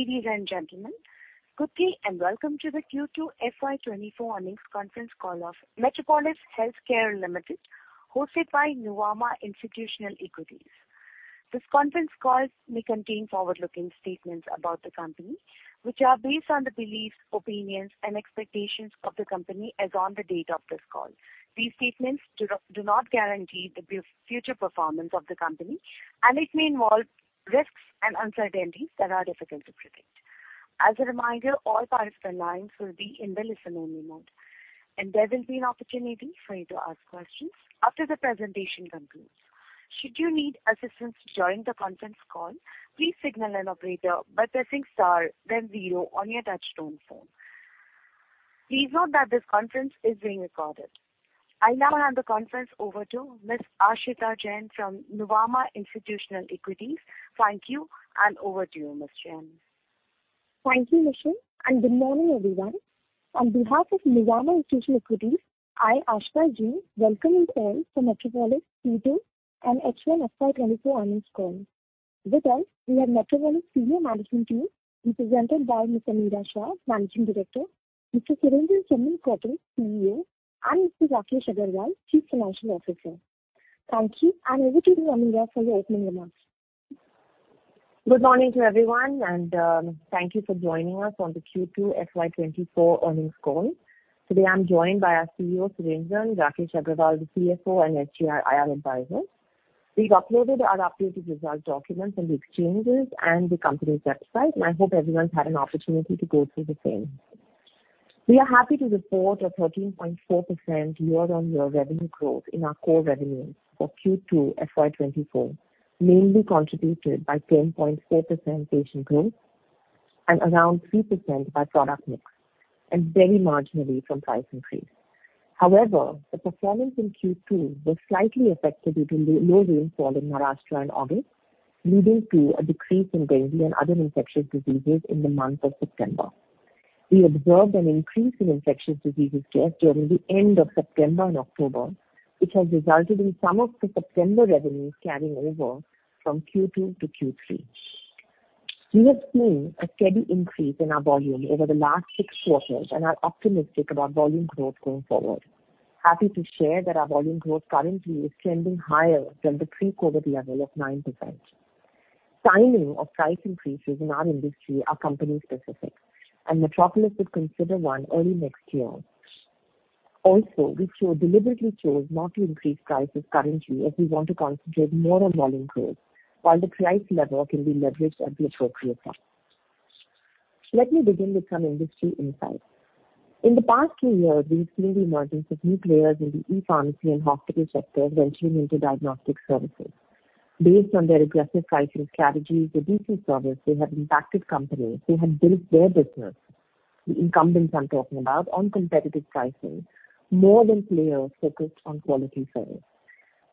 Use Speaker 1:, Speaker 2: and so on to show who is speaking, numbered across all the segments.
Speaker 1: Ladies and gentlemen, good day, and welcome to the Q2 FY24 earnings conference call of Metropolis Healthcare Limited, hosted by Nuvama Institutional Equities. This conference call may contain forward-looking statements about the company, which are based on the beliefs, opinions, and expectations of the company as on the date of this call. These statements do not guarantee the future performance of the company, and it may involve risks and uncertainties that are difficult to predict. As a reminder, all parties on the line will be in the listen-only mode, and there will be an opportunity for you to ask questions after the presentation concludes. Should you need assistance during the conference call, please signal an operator by pressing star then zero on your touchtone phone. Please note that this conference is being recorded. I now hand the conference over to Ms. Aashita Jain from Nuvama Institutional Equities. Thank you, and over to you, Ms. Jain.
Speaker 2: Thank you, Michelle, and good morning, everyone. On behalf of Nuvama Institutional Equities, I, Aashita Jain, welcome you all for Metropolis Q2 and H1 FY 2024 earnings call. With us, we have Metropolis senior management team, represented by Ms. Ameera Shah, Managing Director, Mr. Surendran Chemmenkotil, CEO, and Mr. Rakesh Agarwal, Chief Financial Officer. Thank you, and over to you, Ameera, for the opening remarks.
Speaker 3: Good morning to everyone, and thank you for joining us on the Q2 FY 2024 earnings call. Today, I'm joined by our CEO, Surendran, and Rakesh Agarwal, the CFO, and our IR advisor. We've uploaded our updated result documents on the exchanges and the company's website, and I hope everyone's had an opportunity to go through the same. We are happy to report a 13.4% year-on-year revenue growth in our core revenues for Q2 FY 2024, mainly contributed by 10.4% patient growth and around 3% by product mix, and very marginally from price increase. However, the performance in Q2 was slightly affected due to the low rainfall in Maharashtra in August, leading to a decrease in dengue and other infectious diseases in the month of September. We observed an increase in infectious diseases just during the end of September and October, which has resulted in some of the September revenues carrying over from Q2 to Q3. We have seen a steady increase in our volume over the last six quarters and are optimistic about volume growth going forward. Happy to share that our volume growth currently is trending higher than the pre-COVID level of 9%. Timing of price increases in our industry are company-specific, and Metropolis would consider one early next year. Also, we deliberately chose not to increase prices currently, as we want to concentrate more on volume growth, while the price level can be leveraged at the appropriate time. Let me begin with some industry insights. In the past two years, we've seen the emergence of new players in the e-pharmacy and hospital sector venturing into diagnostic services. Based on their aggressive pricing strategies and digital service, they have impacted companies who had built their business, the incumbents I'm talking about, on competitive pricing, more than players focused on quality service.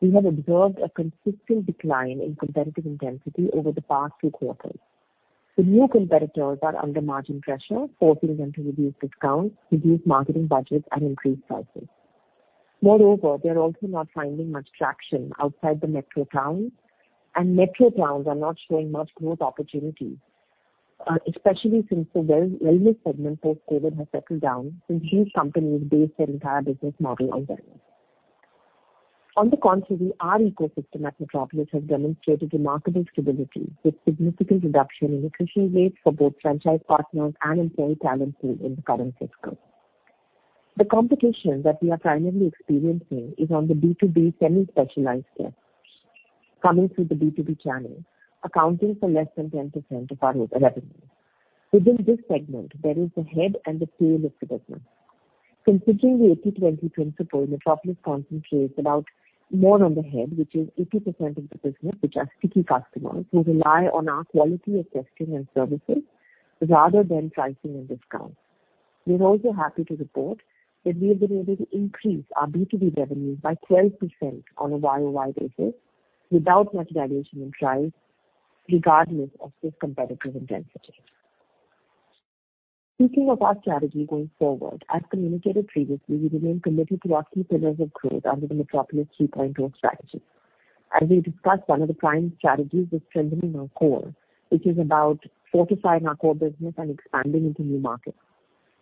Speaker 3: We have observed a consistent decline in competitive intensity over the past two quarters. The new competitors are under margin pressure, forcing them to reduce discounts, reduce marketing budgets, and increase prices. Moreover, they are also not finding much traction outside the metro towns, and metro towns are not showing much growth opportunities, especially since the wellness segment post-COVID has settled down, since these companies base their entire business model on wellness. On the contrary, our ecosystem at Metropolis has demonstrated remarkable stability, with significant reduction in attrition rates for both franchise partners and employee talent pool in the current fiscal. The competition that we are primarily experiencing is on the B2B semi-specialized care coming through the B2B channel, accounting for less than 10% of our total revenue. Within this segment, there is the head and the tail of the business. Considering the 80/20 principle, Metropolis concentrates about more on the head, which is 80% of the business, which are sticky customers who rely on our quality of testing and services, rather than pricing and discounts. We're also happy to report that we have been able to increase our B2B revenues by 12% on a YoY basis, without much variation in price, regardless of this competitive intensity. Speaking of our strategy going forward, as communicated previously, we remain committed to our key pillars of growth under the Metropolis 3.0 strategy. As we discussed, one of the prime strategies is strengthening our core, which is about fortifying our core business and expanding into new markets.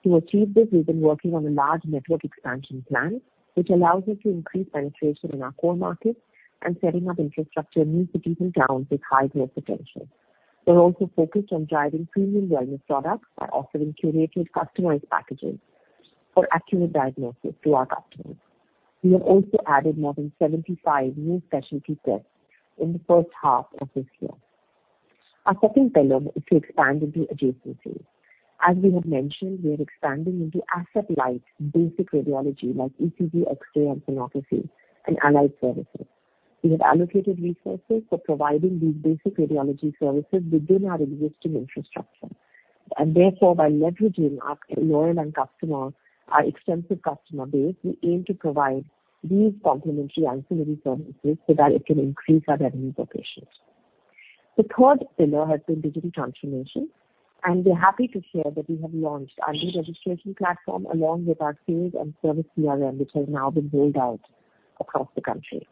Speaker 3: To achieve this, we've been working on a large network expansion plan, which allows us to increase penetration in our core markets and setting up infrastructure in new cities and towns with high growth potential. We're also focused on driving premium wellness products by offering curated, customized packages for accurate diagnosis to our customers. We have also added more than 75 new specialty tests in the first half of this year. Our second pillar is to expand into adjacencies. As we have mentioned, we are expanding into asset-light, basic radiology, like ECG, X-ray, and sonography and allied services. We have allocated resources for providing these basic radiology services within our existing infrastructure, and therefore, by leveraging our loyal end customers, our extensive customer base, we aim to provide these complementary ancillary services so that it can increase our revenues per patient. The third pillar has been digital transformation, and we're happy to share that we have launched our new registration platform, along with our sales and service CRM, which has now been rolled out across the country.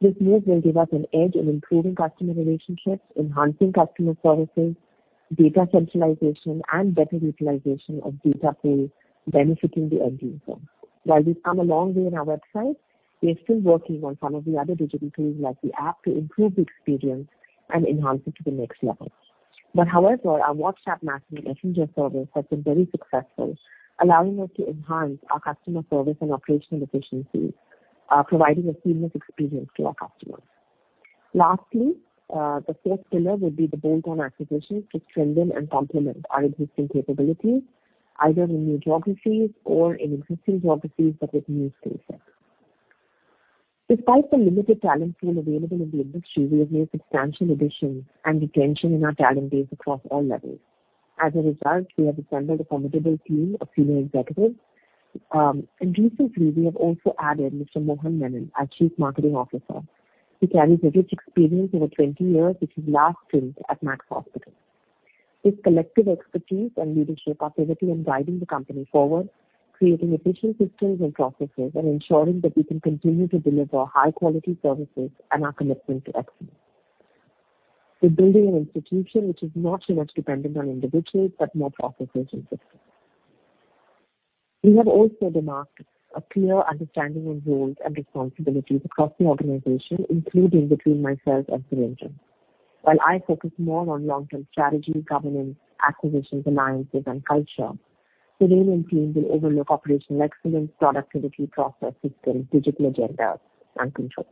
Speaker 3: This move will give us an edge in improving customer relationships, enhancing customer services, data centralization, and better utilization of data pool benefiting the end user. While we've come a long way in our website, we are still working on some of the other digital tools, like the app, to improve the experience and enhance it to the next level. However, our WhatsApp messaging messenger service has been very successful, allowing us to enhance our customer service and operational efficiency, providing a seamless experience to our customers. Lastly, the fourth pillar would be the bolt-on acquisitions to strengthen and complement our existing capabilities, either in new geographies or in existing geographies, but with new skill sets. Despite the limited talent pool available in the industry, we have made substantial additions and retention in our talent base across all levels. As a result, we have assembled a formidable team of senior executives. And recently, we have also added Mr. Mohan Menon, our Chief Marketing Officer. He carries a rich experience over 20 years, which his last stint at Max Hospitals. This collective expertise and leadership are pivotal in guiding the company forward, creating efficient systems and processes, and ensuring that we can continue to deliver high-quality services and our commitment to excellence. We're building an institution which is not so much dependent on individuals, but more processes and systems. We have also earmarked a clear understanding of roles and responsibilities across the organization, including between myself and Surendran. While I focus more on long-term strategy, governance, acquisitions, alliances, and culture, Surendran and team will overlook operational excellence, productivity, process systems, digital agendas, and control.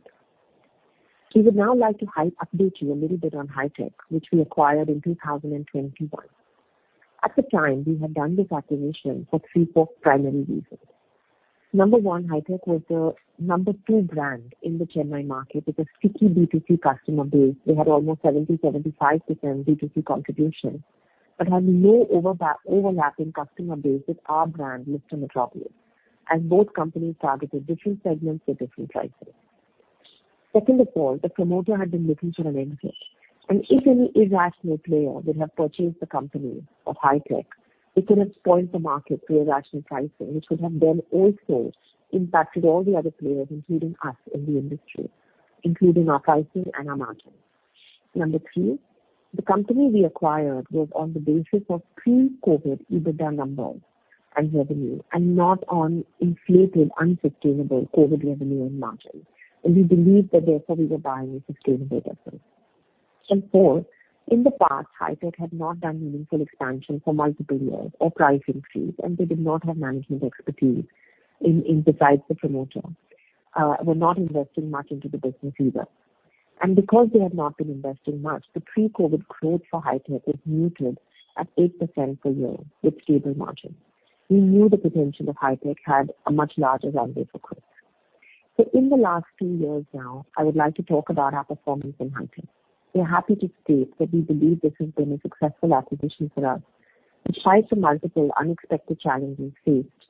Speaker 3: We would now like to update you a little bit on Hitech, which we acquired in 2021. At the time, we had done this acquisition for three core primary reasons. Number one, Hitech was the number two brand in the Chennai market, with a sticky B2C customer base. They had almost 70-75% B2C contribution, but had no overlapping customer base with our brand, Lister Metropolis. Both companies targeted different segments with different pricing. Second of all, the promoter had been looking for an exit, and if any irrational player would have purchased the company of Hitech, it could have spoiled the market through irrational pricing, which would have then also impacted all the other players, including us in the industry, including our pricing and our margins. Number three, the company we acquired was on the basis of pre-COVID EBITDA numbers and revenue, and not on inflated, unsustainable COVID revenue and margins. We believed that therefore, we were buying a sustainable business. Fourth, in the past, Hitech had not done meaningful expansion for multiple years or price increases, and they did not have management expertise in, in besides, the promoter were not investing much into the business either. Because they had not been investing much, the pre-COVID growth for Hitech was muted at 8% per year, with stable margins. We knew the potential of Hitech had a much larger runway for growth. So in the last two years now, I would like to talk about our performance in Hitech. We are happy to state that we believe this has been a successful acquisition for us, despite the multiple unexpected challenges faced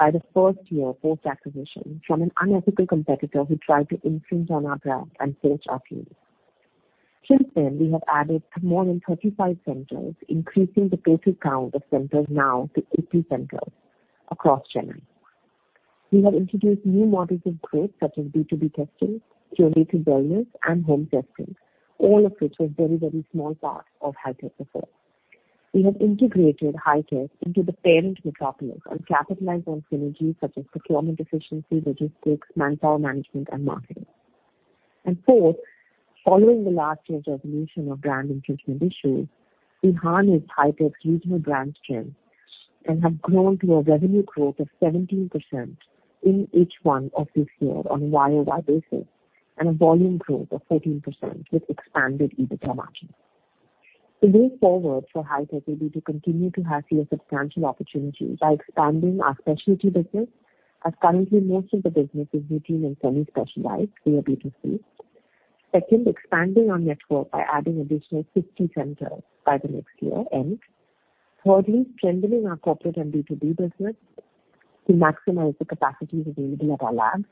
Speaker 3: by the first year post-acquisition from an unethical competitor who tried to infringe on our brand and poach our teams. Since then, we have added more than 35 centers, increasing the total count of centers now to 80 centers across Chennai. We have introduced new models of growth, such as B2B testing, community wellness, and home testing, all of which was very, very small parts of Hitech before. We have integrated Hitech into the parent Metropolis and capitalized on synergies such as procurement efficiency, logistics, manpower management, and marketing. And fourth, following the last year's resolution of brand infringement issues, we harnessed Hitech's regional brand strength and have grown to a revenue growth of 17% in each one of this year on a YoY basis, and a volume growth of 13% with expanded EBITDA margins. The way forward for Hitech will be to continue to have clear substantial opportunities by expanding our specialty business, as currently most of the business is routine and semi-specialized through our B2C. Second, expanding our network by adding additional 50 centers by the next year end. Thirdly, strengthening our corporate and B2B business to maximize the capacities available at our labs.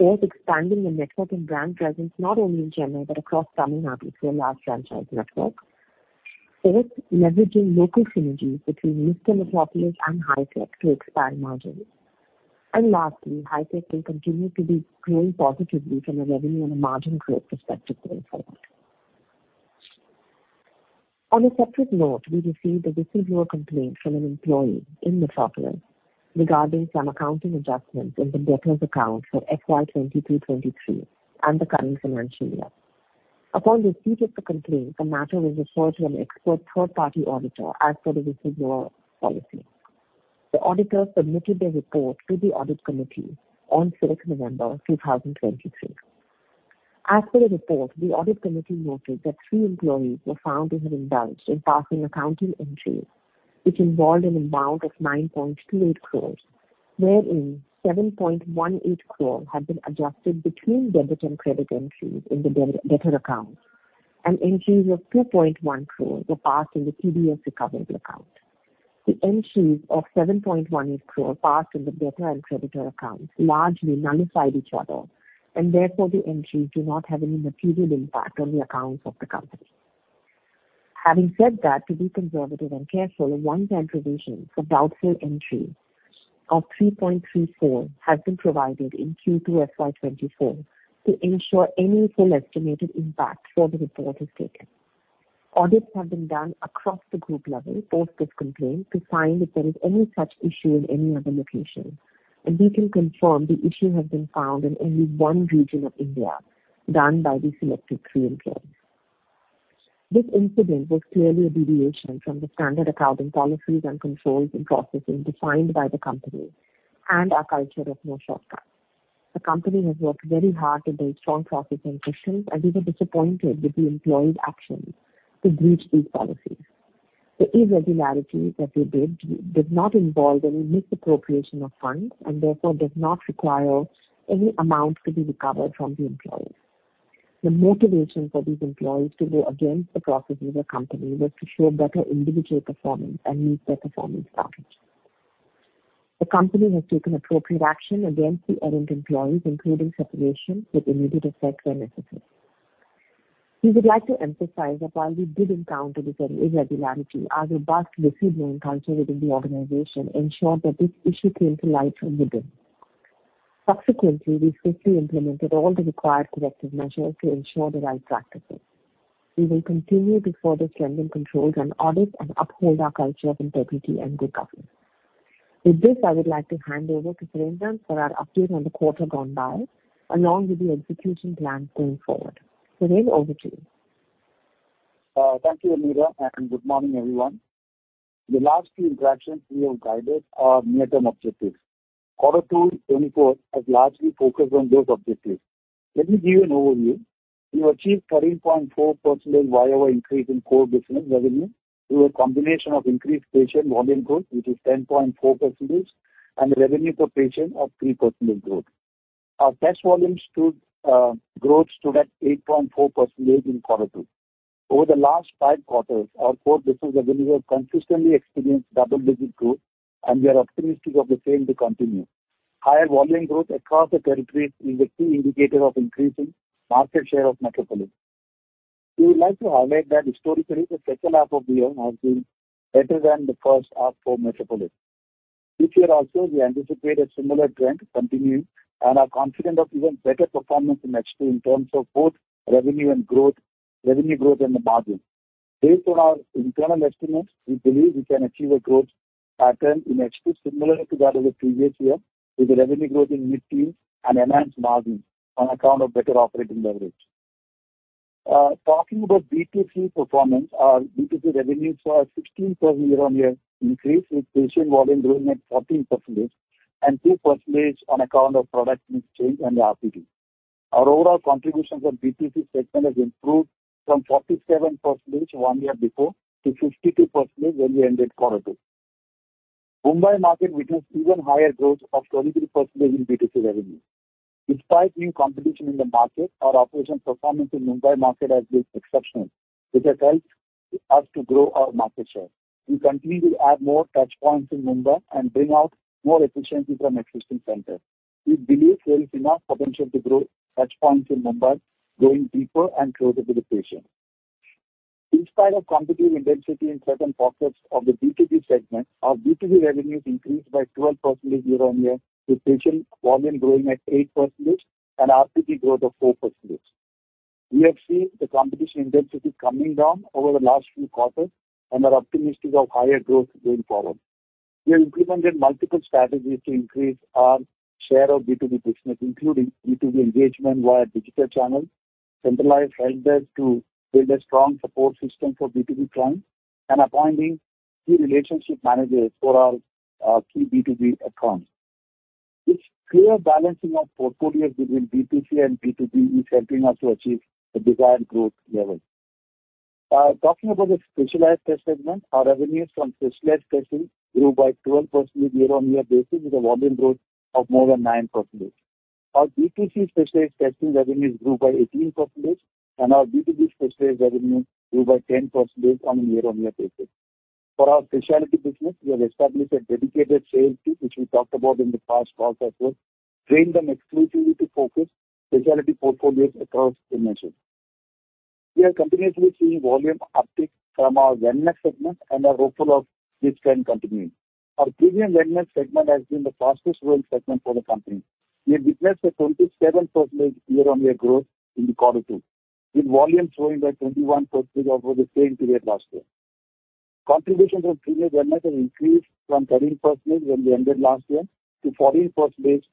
Speaker 3: Fourth, expanding the network and brand presence not only in Chennai, but across Tamil Nadu, through a large franchise network. Fifth, leveraging local synergies between Lister Metropolis and Hitech to expand margins. And lastly, Hitech will continue to be growing positively from a revenue and a margin growth perspective going forward. On a separate note, we received a whistleblower complaint from an employee in Metropolis regarding some accounting adjustments in the debtors account for FY 2023, 2023, and the current financial year. Upon receipt of the complaint, the matter was referred to an expert third-party auditor as per the whistleblower policy. The auditor submitted a report to the audit committee on sixth November 2023. As per the report, the audit committee noted that three employees were found to have indulged in passing accounting entries, which involved an amount of 9.28 crore, wherein 7.18 crore had been adjusted between debit and credit entries in the debtor accounts, and entries of 2.1 crore were passed in the TDS recoverable account. The entries of 7.18 crore passed in the debtor and creditor accounts largely nullified each other, and therefore the entries do not have any material impact on the accounts of the company. Having said that, to be conservative and careful, a one-time provision for doubtful entries of 3.34 crore has been provided in Q2 FY 2024 to ensure any full estimated impact for the report is taken. Audits have been done across the group level post this complaint to find if there is any such issue in any other location, and we can confirm the issue has been found in only one region of India, done by the selected three employees. This incident was clearly a deviation from the standard accounting policies and controls and processes defined by the company and our culture of no shortcuts. The company has worked very hard to build strong processes and systems, and we were disappointed with the employees' actions to breach these policies. The irregularities that they did, did not involve any misappropriation of funds, and therefore does not require any amounts to be recovered from the employees. The motivation for these employees to go against the processes of the company was to show better individual performance and meet their performance targets. The company has taken appropriate action against the errant employees, including separation with immediate effect where necessary. We would like to emphasize that while we did encounter this irregularity, our robust whistleblowing culture within the organization ensured that this issue came to light from the beginning. Subsequently, we swiftly implemented all the required corrective measures to ensure the right practices. We will continue to further strengthen controls and audit and uphold our culture of integrity and good governance. With this, I would like to hand over to Surendran for our update on the quarter gone by, along with the execution plan going forward. Surendran, over to you.
Speaker 4: Thank you, Aashita, and good morning, everyone. The last few interactions, we have guided our near-term objectives. Quarter 2, 2024, has largely focused on those objectives. Let me give you an overview. We achieved 13.4% YoY increase in core business revenue through a combination of increased patient volume growth, which is 10.4%, and the revenue per patient of 3% growth. Our test volume growth stood at 8.4% in quarter two. Over the last five quarters, our core business revenue has consistently experienced double-digit growth, and we are optimistic of the same to continue. Higher volume growth across the territory is a key indicator of increasing market share of Metropolis. We would like to highlight that historically, the second half of the year has been better than the first half for Metropolis. This year also, we anticipate a similar trend continuing and are confident of even better performance in H2 in terms of both revenue and growth, revenue growth and the margin. Based on our internal estimates, we believe we can achieve a growth pattern in H2, similar to that of the previous year, with a revenue growth in mid-teens and enhanced margins on account of better operating leverage. Talking about B2C performance, our B2C revenues saw a 16% year-on-year increase, with patient volume growing at 14% and 2% on account of product mix change and the RPP. Our overall contributions on B2C segment has improved from 47% one year before to 52% when we ended quarter two. Mumbai market witnessed even higher growth of 23% in B2C revenue. Despite new competition in the market, our operational performance in Mumbai market has been exceptional, which has helped us to grow our market share. We continue to add more touch points in Mumbai and bring out more efficiencies from existing centers. We believe there is enough potential to grow touch points in Mumbai, going deeper and closer to the patient. In spite of competitive intensity in certain pockets of the B2B segment, our B2B revenues increased by 12% year-on-year, with patient volume growing at 8% and RPP growth of 4%. We have seen the competition intensity coming down over the last few quarters and are optimistic of higher growth going forward. We have implemented multiple strategies to increase our share of B2B business, including B2B engagement via digital channels, centralized helpdesk to build a strong support system for B2B clients, and appointing key relationship managers for our key B2B accounts. This clear balancing of portfolios between B2C and B2B is helping us to achieve the desired growth level. Talking about the specialized test segment, our revenues from specialized testing grew by 12% year-on-year basis, with a volume growth of more than 9%. Our B2C specialized testing revenues grew by 18%, and our B2B specialized revenues grew by 10% on a year-on-year basis. For our specialty business, we have established a dedicated sales team, which we talked about in the past calls as well, trained them exclusively to focus specialty portfolios across India. We are continuously seeing volume uptick from our wellness segment and are hopeful of this trend continuing. Our premium wellness segment has been the fastest-growing segment for the company. We have witnessed a 27% year-on-year growth in the quarter two, with volumes growing by 21% over the same period last year. Contributions from premium wellness have increased from 13% when we ended last year to 14%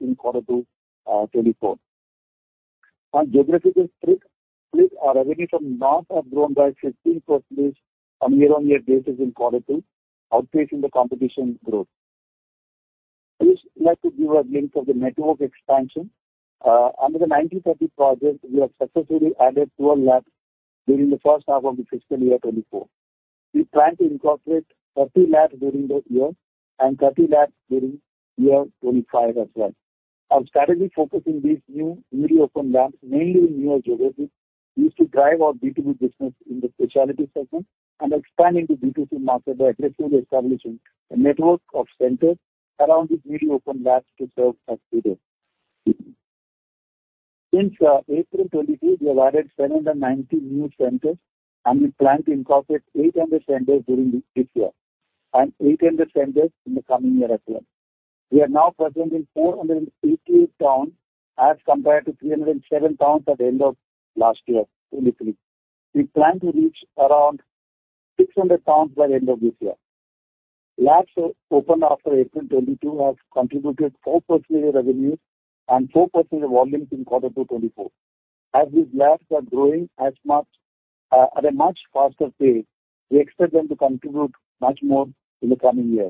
Speaker 4: in quarter two, 2024. On geographical split, our revenue from north have grown by 15% on a year-on-year basis in quarter two, outpacing the competition growth. I would like to give a glimpse of the network expansion. Under the Metropolis 3.0 project, we have successfully added 12 labs during the first half of the fiscal year 2024. We plan to incorporate 30 labs during the year and 30 labs during year 2025 as well. Our strategy focus in these new newly opened labs, mainly in newer geographies, is to drive our B2B business in the specialty segment and expanding the B2C market by aggressively establishing a network of centers around these newly opened labs to serve our patients....
Speaker 3: Since April 2022, we added 790 new centers, and we plan to incorporate 800 centers during this year, and 800 centers in the coming year as well. We are now present in 480 towns as compared to 307 towns at the end of last year, 2023. We plan to reach around 600 towns by the end of this year. Labs opened after April 2022 have contributed 4% of the revenue and 4% of volumes in quarter 2, 2024. As these labs are growing as much at a much faster pace, we expect them to contribute much more in the coming year.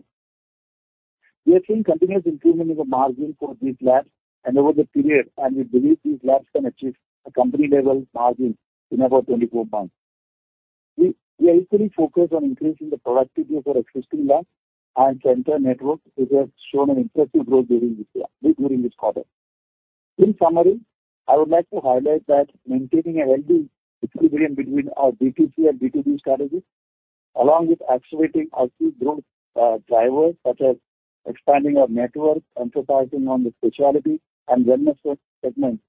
Speaker 3: We are seeing continuous improvement in the margin for these labs and over the period, and we believe these labs can achieve a company-level margin in about 24 months. We are equally focused on increasing the productivity of our existing labs and center networks, which have shown an impressive growth during this year, during this quarter. In summary, I would like to highlight that maintaining a healthy equilibrium between our B2C and B2B strategies, along with activating our key growth drivers, such as expanding our network, emphasizing on the specialty and wellness segment,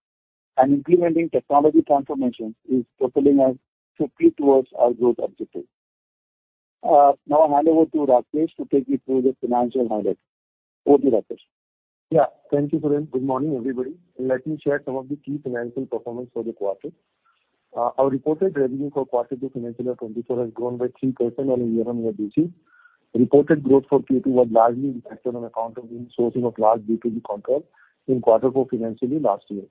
Speaker 3: and implementing technology transformations, is propelling us swiftly towards our growth objective. Now I hand over to Rakesh to take you through the financial highlights. Over to you, Rakesh.
Speaker 5: Yeah. Thank you, Surendran. Good morning, everybody. Let me share some of the key financial performance for the quarter. Our reported revenue for quarter two, financial year 2024, has grown by 3% on a year-on-year basis. Reported growth for Q2 was largely impacted on account of the sourcing of large B2B contracts in quarter four, financial year last year.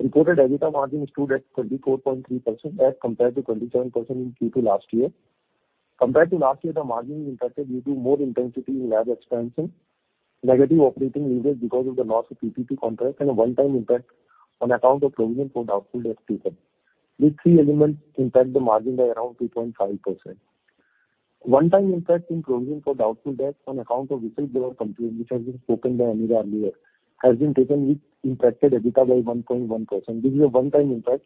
Speaker 5: Reported EBITDA margin stood at 24.3% as compared to 27% in Q2 last year. Compared to last year, the margin impacted due to more intensity in lab expansion, negative operating leases because of the loss of PPP contract, and a one-time impact on account of provision for doubtful debt taken. These three elements impact the margin by around 2.5%. One-time impact in provision for doubtful debt on account of retail D2C complaint, which has been spoken by Ameera earlier, has been taken, which impacted EBITDA by 1.1%. This is a one-time impact,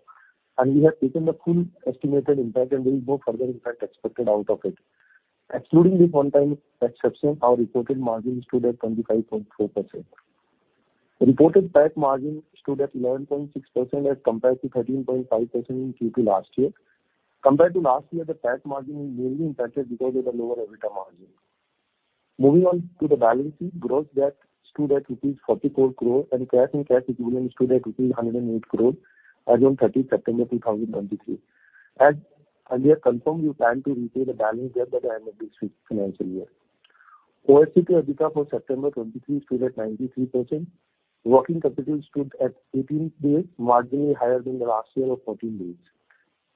Speaker 5: and we have taken the full estimated impact, and there is no further impact expected out of it. Excluding this one-time exception, our reported margin stood at 25.4%. Reported PAT margin stood at 11.6% as compared to 13.5% in Q2 last year. Compared to last year, the PAT margin is mainly impacted because of the lower EBITDA margin. Moving on to the balance sheet. Gross debt stood at rupees 44 crore, and cash and cash equivalents stood at rupees 108 crore as on 13th September 13th, 2023. As earlier confirmed, we plan to repay the balance debt by the end of this financial year. OCF EBITDA for September 2023 stood at 93%. Working capital stood at 18 days, marginally higher than the last year of 14 days.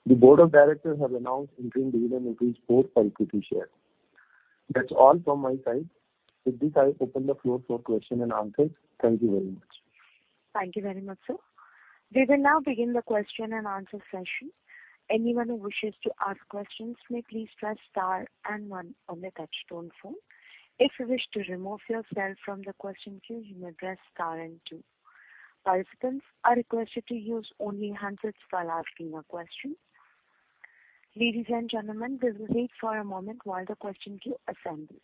Speaker 5: The board of directors have announced interim dividend. It is INR 0.04 per share. That's all from my side. With this, I open the floor for question and answers. Thank you very much.
Speaker 1: Thank you very much, sir. We will now begin the question and answer session. Anyone who wishes to ask questions may please press star and one on the touchtone phone. If you wish to remove yourself from the question queue, you may press star and two. Participants are requested to use only handsets while asking a question. Ladies and gentlemen, we will wait for a moment while the question queue assembles.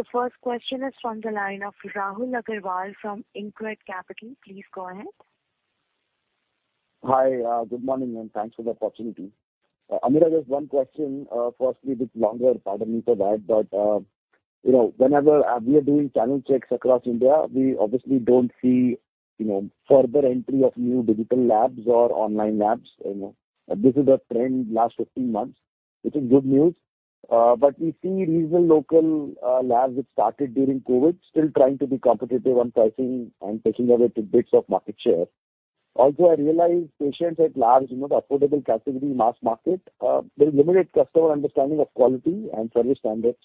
Speaker 1: The first question is from the line of Rahul Aggarwal from InCred Capital. Please go ahead.
Speaker 6: Hi, good morning, and thanks for the opportunity. Ameera, just one question, firstly, bit longer, pardon me for that, but, you know, whenever we are doing channel checks across India, we obviously don't see, you know, further entry of new digital labs or online labs. You know, this is a trend last 15 months, which is good news. But we see regional, local labs, which started during COVID, still trying to be competitive on pricing and taking away bits of market share. Also, I realize patients at large, you know, the affordable category, mass market, there is limited customer understanding of quality and service standards,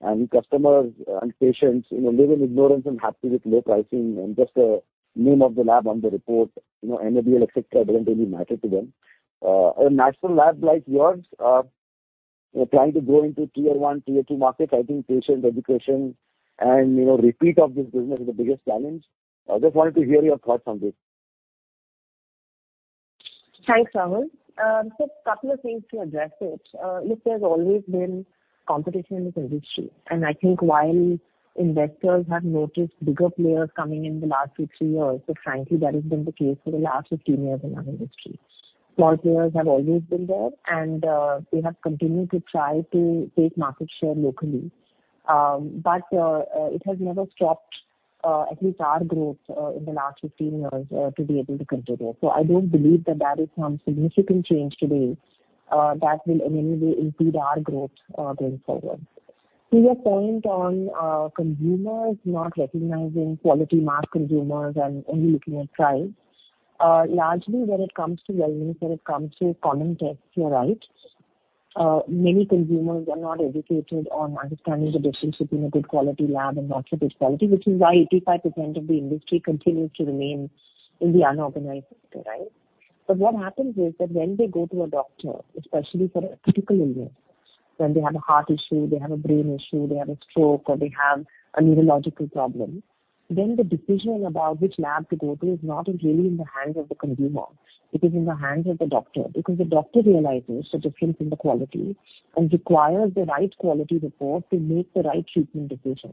Speaker 6: and customers and patients, you know, live in ignorance and happy with low pricing and just the name of the lab on the report, you know, NABL, et cetera, doesn't really matter to them. A national lab like yours, trying to grow into Tier 1, Tier 2 markets, I think patient education and, you know, repeat of this business is the biggest challenge. I just wanted to hear your thoughts on this.
Speaker 3: Thanks, Rahul. So a couple of things to address it. Look, there's always been competition in this industry, and I think while investors have noticed bigger players coming in the last six to eight years, but frankly, that has been the case for the last 15 years in our industry. Small players have always been there, and they have continued to try to take market share locally. But it has never stopped at least our growth in the last 15 years to be able to continue. So I don't believe that that is some significant change today that will in any way impede our growth going forward. To your point on consumers not recognizing quality mass consumers and only looking at price largely when it comes to wellness, when it comes to common tests, you're right. Many consumers are not educated on understanding the difference between a good quality lab and not so good quality, which is why 85% of the industry continues to remain in the unorganized sector, right? But what happens is that when they go to a doctor, especially for a critical illness, when they have a heart issue, they have a brain issue, they have a stroke, or they have a neurological problem. Then the decision about which lab to go to is not really in the hands of the consumer. It is in the hands of the doctor, because the doctor realizes the difference in the quality and requires the right quality report to make the right treatment decision.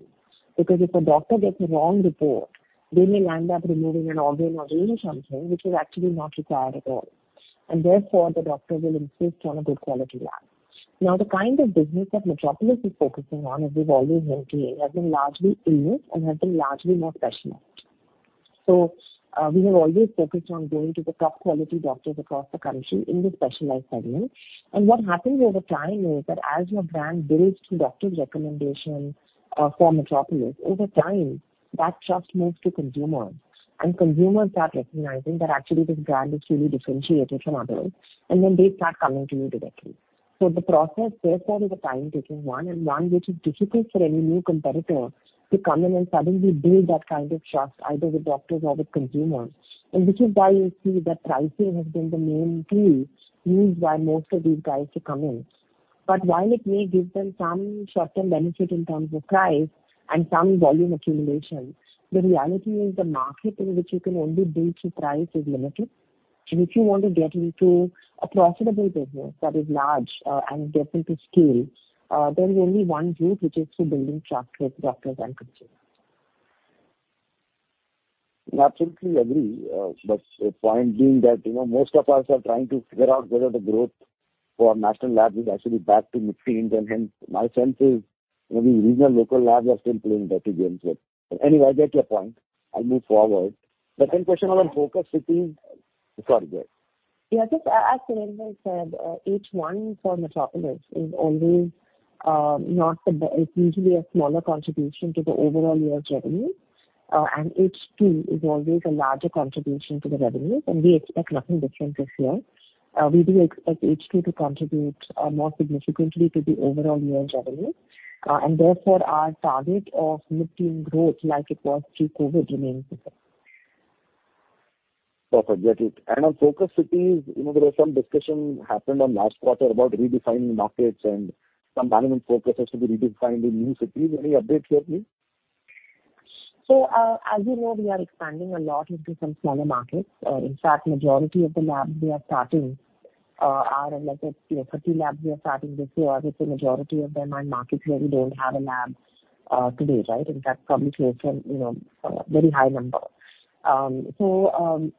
Speaker 3: Because if a doctor gets a wrong report, they may end up removing an organ or doing something which is actually not required at all, and therefore, the doctor will insist on a good quality lab. Now, the kind of business that Metropolis is focusing on, as we've always maintained, has been largely in it and has been largely more specialist. So, we have always focused on going to the top quality doctors across the country in the specialized segment. And what happens over time is that as your brand builds through doctor's recommendation, for Metropolis, over time, that trust moves to consumers, and consumers start recognizing that actually this brand is really differentiated from others, and then they start coming to you directly. So the process, therefore, is a time-taking one, and one which is difficult for any new competitor to come in and suddenly build that kind of trust, either with doctors or with consumers. Which is why you see that pricing has been the main tool used by most of these guys to come in. While it may give them some short-term benefit in terms of price and some volume accumulation, the reality is the market in which you can only build through price is limited. If you want to get into a profitable business that is large, and get into scale, there is only one route, which is through building trust with doctors and consumers.
Speaker 6: I absolutely agree. But the point being that, you know, most of us are trying to figure out whether the growth for national labs is actually back to mid-teens, and hence my sense is, you know, the regional local labs are still playing dirty games with. Anyway, I get your point. I'll move forward. The second question on focus cities. Sorry, go ahead.
Speaker 3: Yeah, just as Anindya said, H1 for Metropolis is always, it's usually a smaller contribution to the overall year revenue, and H2 is always a larger contribution to the revenue, and we expect nothing different this year. We do expect H2 to contribute more significantly to the overall year's revenue, and therefore, our target of mid-teen growth, like it was pre-COVID, remains the same.
Speaker 6: Perfect. Get it. On focus cities, you know, there was some discussion happened on last quarter about redefining markets and some dynamic processes to be redefined in new cities. Any updates here, please?
Speaker 3: So, as you know, we are expanding a lot into some smaller markets. In fact, majority of the labs we are starting, are like, you know, 50 labs we are starting this year, with the majority of them are markets where we don't have a lab, today, right? In fact, probably closer from, you know, a very high number. So,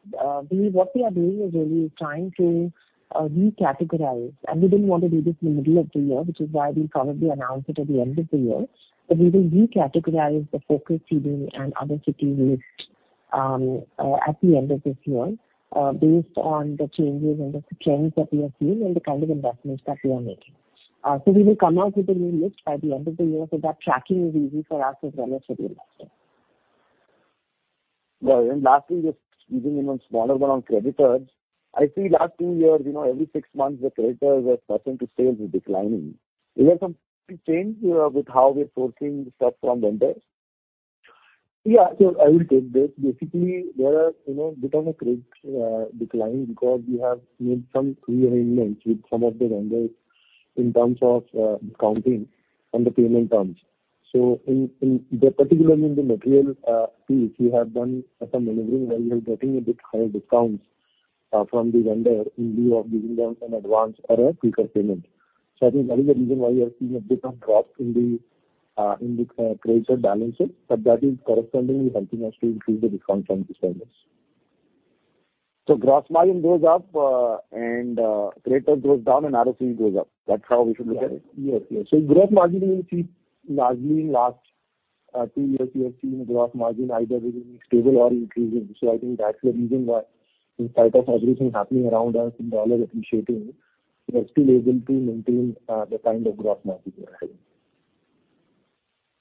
Speaker 3: we, what we are doing is really trying to, re-categorize, and we didn't want to do this in the middle of the year, which is why we'll probably announce it at the end of the year. But we will re-categorize the focus city and other cities list, at the end of this year, based on the changes and the trends that we are seeing and the kind of investments that we are making. We will come out with a new list by the end of the year, so that tracking is easy for us as well as for the investor.
Speaker 6: Well, and lastly, just squeezing in a smaller one on creditors. I see in the last two years, you know, every six months, the creditors as a percent of sales is declining. Is there some change here with how we're sourcing the stuff from vendors? Yeah. So I will take this. Basically, there are, you know, a bit of a credit decline because we have made some rearrangements with some of the vendors in terms of accounting and the payment terms. So, in particular, in the material piece, we have done some maneuvering where we are getting a bit higher discounts from the vendor in lieu of giving them an advance or a quicker payment. So I think that is the reason why you are seeing a bit of drop in the, in the, credit balances, but that is correspondingly helping us to increase the discount from distributors. So gross margin goes up, and, credit goes down and ROC goes up. That's how we should look at it? Yes, yes. So gross margin, we see largely in last, two years, we have seen the gross margin either remaining stable or increasing. So I think that's the reason why, in spite of everything happening around us, the dollar appreciating, we are still able to maintain, the kind of gross margin we are having.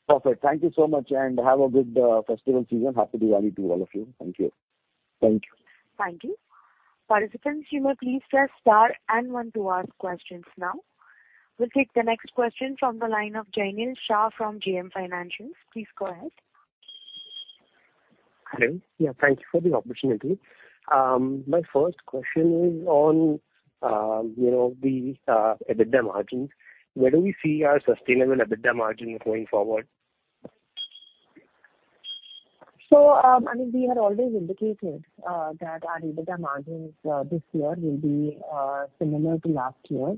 Speaker 6: Perfect. Thank you so much, and have a good, festival season. Happy Diwali to all of you. Thank you. Thank you.
Speaker 1: Thank you. Participants, you may please press star and one to ask questions now. We'll take the next question from the line of Jainil Shah from JM Financial. Please go ahead.
Speaker 7: Hello. Yeah, thank you for the opportunity. My first question is on, you know, the EBITDA margins. Where do we see our sustainable EBITDA margins going forward?
Speaker 3: So, I mean, we had always indicated that our EBITDA margins this year will be similar to last year.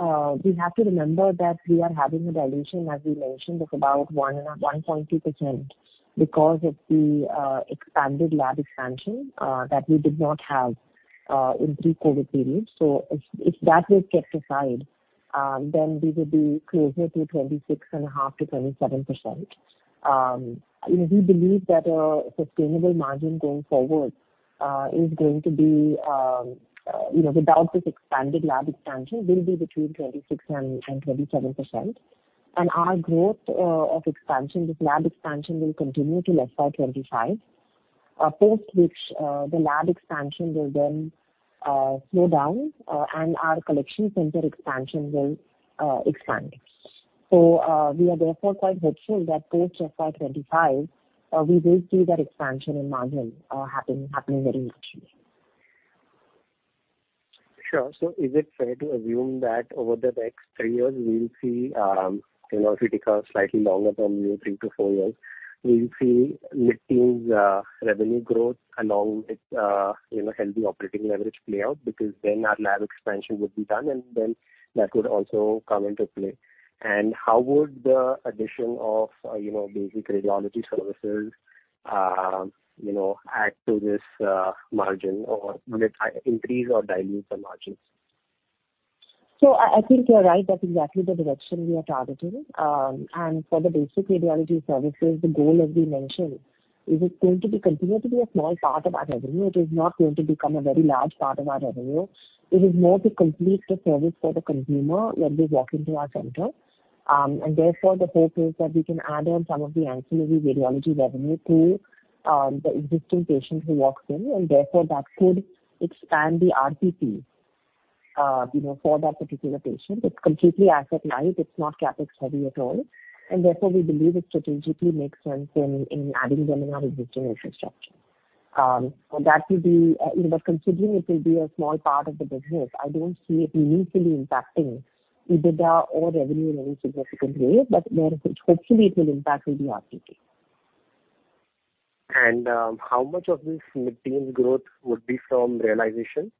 Speaker 3: We have to remember that we are having a dilution, as we mentioned, of about 1.2%, because of the expanded lab expansion that we did not have in pre-COVID period. So if that was kept aside, then we would be closer to 26.5%-27%. You know, we believe that sustainable margin going forward is going to be, you know, without this expanded lab expansion, will be between 26%-27%. And our growth of expansion, this lab expansion, will continue till FY 2025, post which, the lab expansion will then slow down, and our collection center expansion will expand. So, we are therefore quite hopeful that post FY 2025, we will see that expansion in margin happening very much....
Speaker 7: Sure. So is it fair to assume that over the next three years, we will see, you know, if we take a slightly longer term, maybe three to four years, we will see mid-teens revenue growth along with, you know, healthy operating leverage play out? Because then our lab expansion would be done, and then that would also come into play. And how would the addition of, you know, basic radiology services, you know, add to this margin, or will it increase or dilute the margins?
Speaker 3: So I think you're right. That's exactly the direction we are targeting. And for the basic radiology services, the goal, as we mentioned, is it's going to be continued to be a small part of our revenue. It is not going to become a very large part of our revenue. It is more to complete the service for the consumer when they walk into our center. And therefore, the hope is that we can add on some of the ancillary radiology revenue to the existing patient who walks in, and therefore, that could expand the RTP, you know, for that particular patient. It's completely asset-light. It's not CapEx-heavy at all, and therefore, we believe it strategically makes sense in adding them in our existing infrastructure. You know, but considering it will be a small part of the business, I don't see it immediately impacting EBITDA or revenue in any significant way, but where it hopefully it will impact will be RTP.
Speaker 7: How much of this mid-teen growth would be from realization?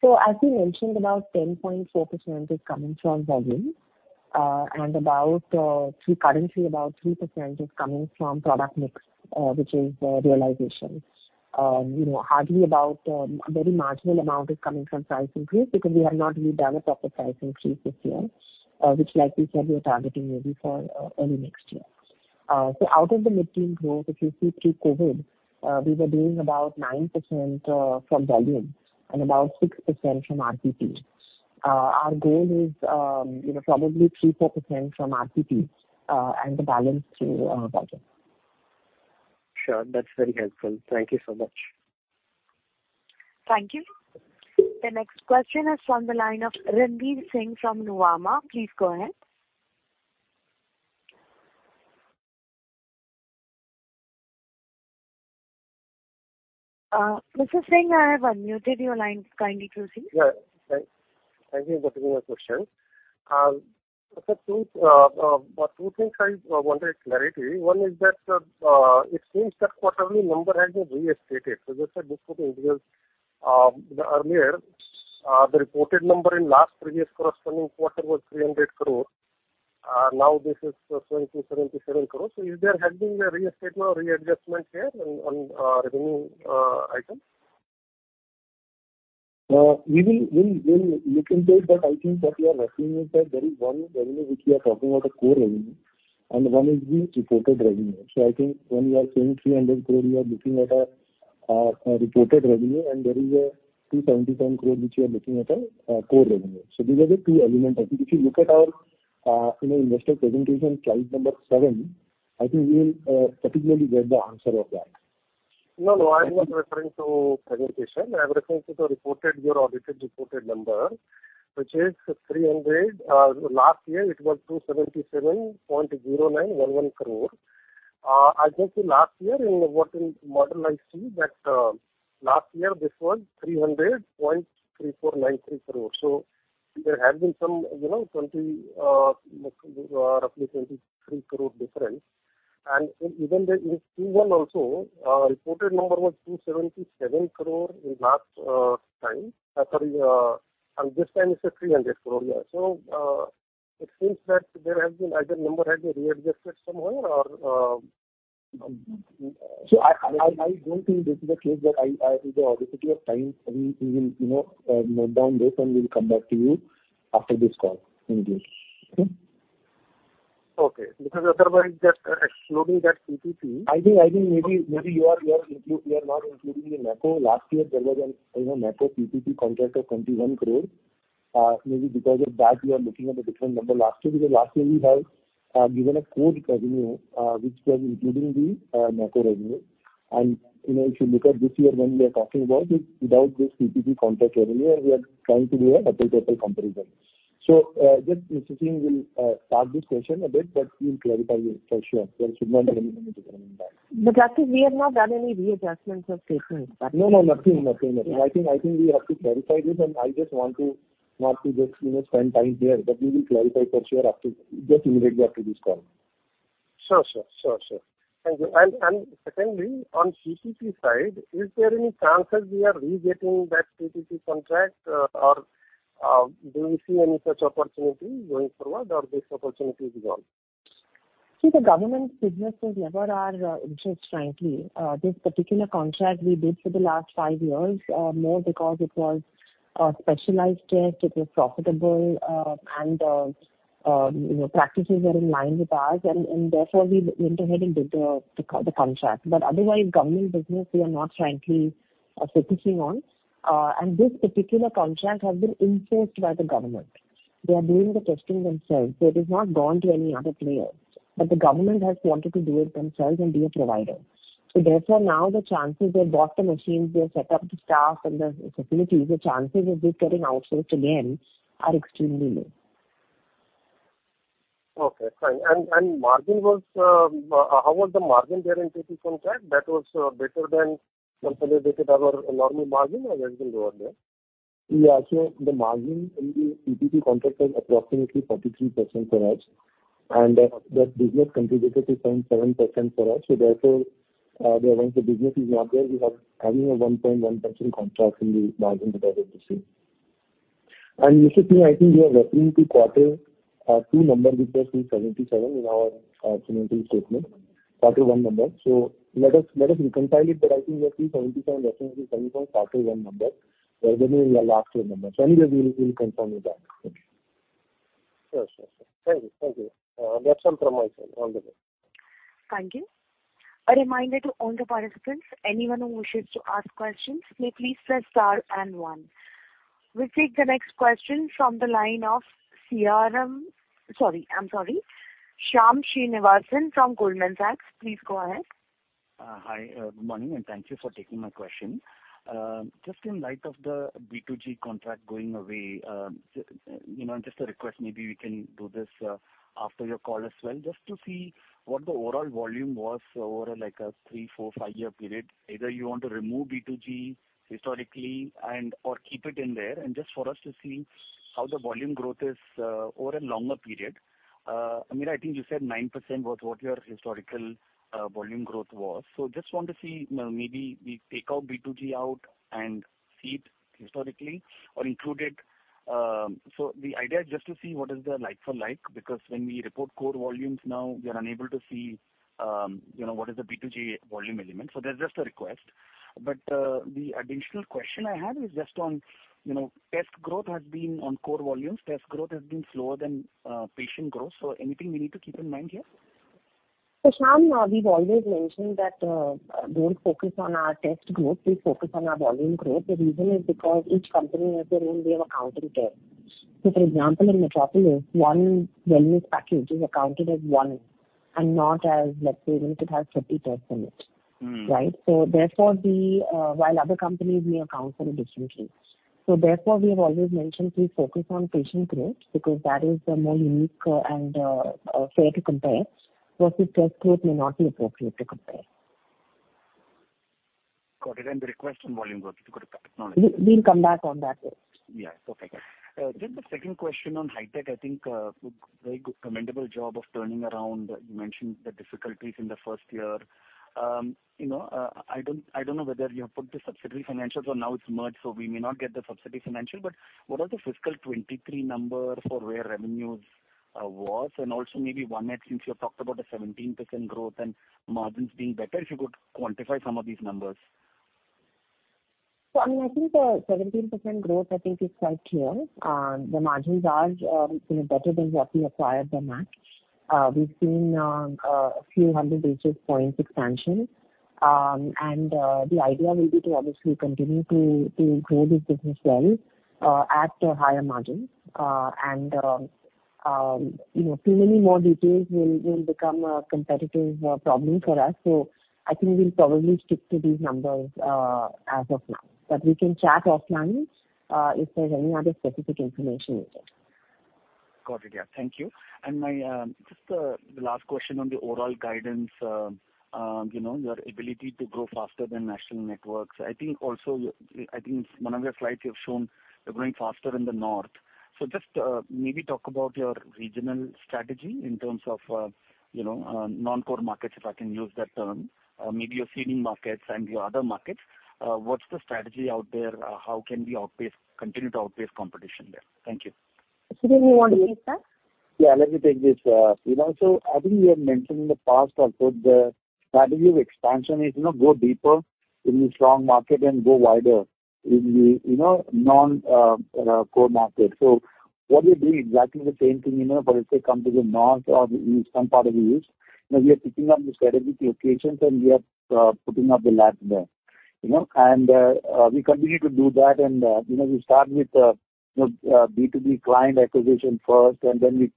Speaker 3: So as we mentioned, about 10.4% is coming from volume, and about, currently, about 3% is coming from product mix, which is, realization. You know, hardly about, a very marginal amount is coming from price increase because we have not really done a proper price increase this year, which like we said, we are targeting maybe for, early next year. So out of the mid-teen growth, if you see through COVID, we were doing about 9% from volume and about 6% from RTP. Our goal is, you know, probably 3%-4% from RTP, and the balance through, volume.
Speaker 7: Sure. That's very helpful. Thank you so much.
Speaker 1: Thank you. The next question is from the line of Ranvir Singh from Nuvama. Please go ahead. Mr. Singh, I have unmuted your line. Kindly proceed.
Speaker 8: Yeah. Thank, thank you for taking my question. There are two, two things I want to clarify. One is that, it seems that quarterly number has been re-estimated. So just, just putting because, the earlier, the reported number in last previous corresponding quarter was 300 crore. Now this is, 77 crore. So is there has been a re-estimate or readjustment here on, on, revenue, item?
Speaker 4: We will, we will look into it, but I think what we are seeing is that there is one revenue, which we are talking about the core revenue, and one is the reported revenue. So I think when we are saying 300 crore, we are looking at a reported revenue, and there is 277 crore, which we are looking at core revenue. So these are the two elements. I think if you look at our, you know, investor presentation, slide number 7, I think you will particularly get the answer of that.
Speaker 8: No, no, I'm not referring to presentation. I'm referring to the reported, your audited reported number, which is 300 crore. Last year it was 277.0911 crore. I think last year in what in model I see that, last year this was 300.3493 crore. So there has been some, you know, roughly 23 crore difference. And even the, in Q1 also, reported number was 277 crore in last, time. Sorry, and this time it's a 300 crore year. So, it seems that there has been either number has been readjusted somewhere or...
Speaker 4: So I don't think this is the case, but with the paucity of time, we will, you know, note down this, and we will come back to you after this call in detail. Okay?
Speaker 8: Okay. Because otherwise, just assuming that PPP-
Speaker 4: I think maybe you are not including the NACO. Last year there was a NACO PPP contract of 21 crore. Maybe because of that, we are looking at a different number last year. Because last year we have given a core revenue, which was including the NACO revenue. And if you look at this year, when we are talking about it, without this PPP contract revenue, we are trying to do an apple-to-apple comparison. Just Mr. Singh will park this question a bit, but we'll clarify it for sure. There should not be any misunderstanding there.
Speaker 3: But Rahul, we have not done any readjustments or statements.
Speaker 4: No, no, nothing, nothing. I think, I think we have to clarify this, and I just want to, not to just, you know, spend time here, but we will clarify for sure after, just immediately after this call.
Speaker 8: Sure, sure. Sure, sure. Thank you. And, and secondly, on PPP side, is there any chances we are re-getting that PPP contract, or, do you see any such opportunity going forward, or this opportunity is gone?
Speaker 3: See, the government businesses never are interest, frankly. This particular contract we did for the last five years, more because it was specialized test, it was profitable, and you know, practices were in line with ours, and therefore, we went ahead and did the contract. But otherwise, government business, we are not frankly focusing on. And this particular contract has been enforced by the government. They are doing the testing themselves, so it has not gone to any other player. But the government has wanted to do it themselves and be a provider. So therefore, now the chances... They bought the machines, they have set up the staff and the facilities. The chances of this getting outsourced again are extremely low....
Speaker 9: Okay, fine. And how was the margin there in B2B contract? That was better than companies that have a normal margin, or was it lower there?
Speaker 4: Yeah, so the margin in the B2B contract was approximately 43% for us, and that business contributed to 7% for us. So therefore, once the business is not there, we have having a 1.1% contract in the margin that was the same. And you should see, I think you are referring to quarter two number, which was 377 in our financial statement, quarter one number. So let us, let us recompile it, but I think we are 377 reference to quarter one number, rather than the last year number. So anyway, we'll, we'll confirm with that.
Speaker 9: Sure, sure, sure. Thank you. Thank you. That's all from my side. All the best.
Speaker 1: Thank you. A reminder to all the participants, anyone who wishes to ask questions, may please press star and one. We'll take the next question from the line of CRM. Sorry, I'm sorry. Shyam Srinivasan from Goldman Sachs, please go ahead.
Speaker 10: Hi, good morning, and thank you for taking my question. Just in light of the B2G contract going away, you know, just a request, maybe we can do this after your call as well, just to see what the overall volume was over, like, a three, four, five-year period. Either you want to remove B2G historically and/or keep it in there, and just for us to see how the volume growth is over a longer period. Ameera, I think you said 9% was what your historical volume growth was. So just want to see, you know, maybe we take out B2G out and see it historically or include it. So the idea is just to see what is the like for like, because when we report core volumes now, we are unable to see, you know, what is the B2G volume element. So that's just a request. But, the additional question I had is just on, you know, test growth has been on core volumes. Test growth has been slower than, patient growth. So anything we need to keep in mind here?
Speaker 3: So Shyam, we've always mentioned that, don't focus on our test growth, please focus on our volume growth. The reason is because each company has their own way of accounting there. So for example, in Metropolis, one wellness package is accounted as one, and not as, let's say, even if it has 50 tests in it.
Speaker 10: Mm-hmm.
Speaker 3: Right? So therefore, we, while other companies may account for it differently. So therefore, we have always mentioned, please focus on patient growth, because that is the more unique and fair to compare. So the test growth may not be appropriate to compare.
Speaker 10: Got it. And the request on volume growth, if you could acknowledge.
Speaker 3: We'll come back on that.
Speaker 10: Yeah, okay. Just the second question on Hitech, I think, very commendable job of turning around. You mentioned the difficulties in the first year. You know, I don't, I don't know whether you have put the subsidiary financials or now it's merged, so we may not get the subsidiary financial. But what are the fiscal 2023 numbers for where revenues was? And also maybe one net, since you have talked about a 17% growth and margins being better, if you could quantify some of these numbers.
Speaker 3: So I mean, I think the 17% growth, I think, is quite clear. The margins are, you know, better than what we acquired the Max. We've seen a few hundred basis points expansion. And the idea will be to obviously continue to grow this business well at a higher margin. And you know, too many more details will become a competitive problem for us. So I think we'll probably stick to these numbers as of now. But we can chat offline if there's any other specific information needed.
Speaker 10: Got it. Yeah. Thank you. And my, just, the last question on the overall guidance, you know, your ability to grow faster than national networks. I think also, I think one of your slides, you have shown you're growing faster in the north. So just, maybe talk about your regional strategy in terms of, you know, non-core markets, if I can use that term. Maybe your seeding markets and your other markets. What's the strategy out there? How can we outpace - continue to outpace competition there? Thank you.
Speaker 3: Sudhir, you want to take that?
Speaker 4: Yeah, let me take this. You know, so I think we have mentioned in the past also, the strategy of expansion is, you know, go deeper in the strong market and go wider in the, you know, non-core market. So what we're doing exactly the same thing, you know, but if they come to the north or the east, some part of the east, you know, we are picking up the strategic locations, and we are putting up the labs there, you know? And we continue to do that, and, you know, we start with, you know, B2B client acquisition first, and then we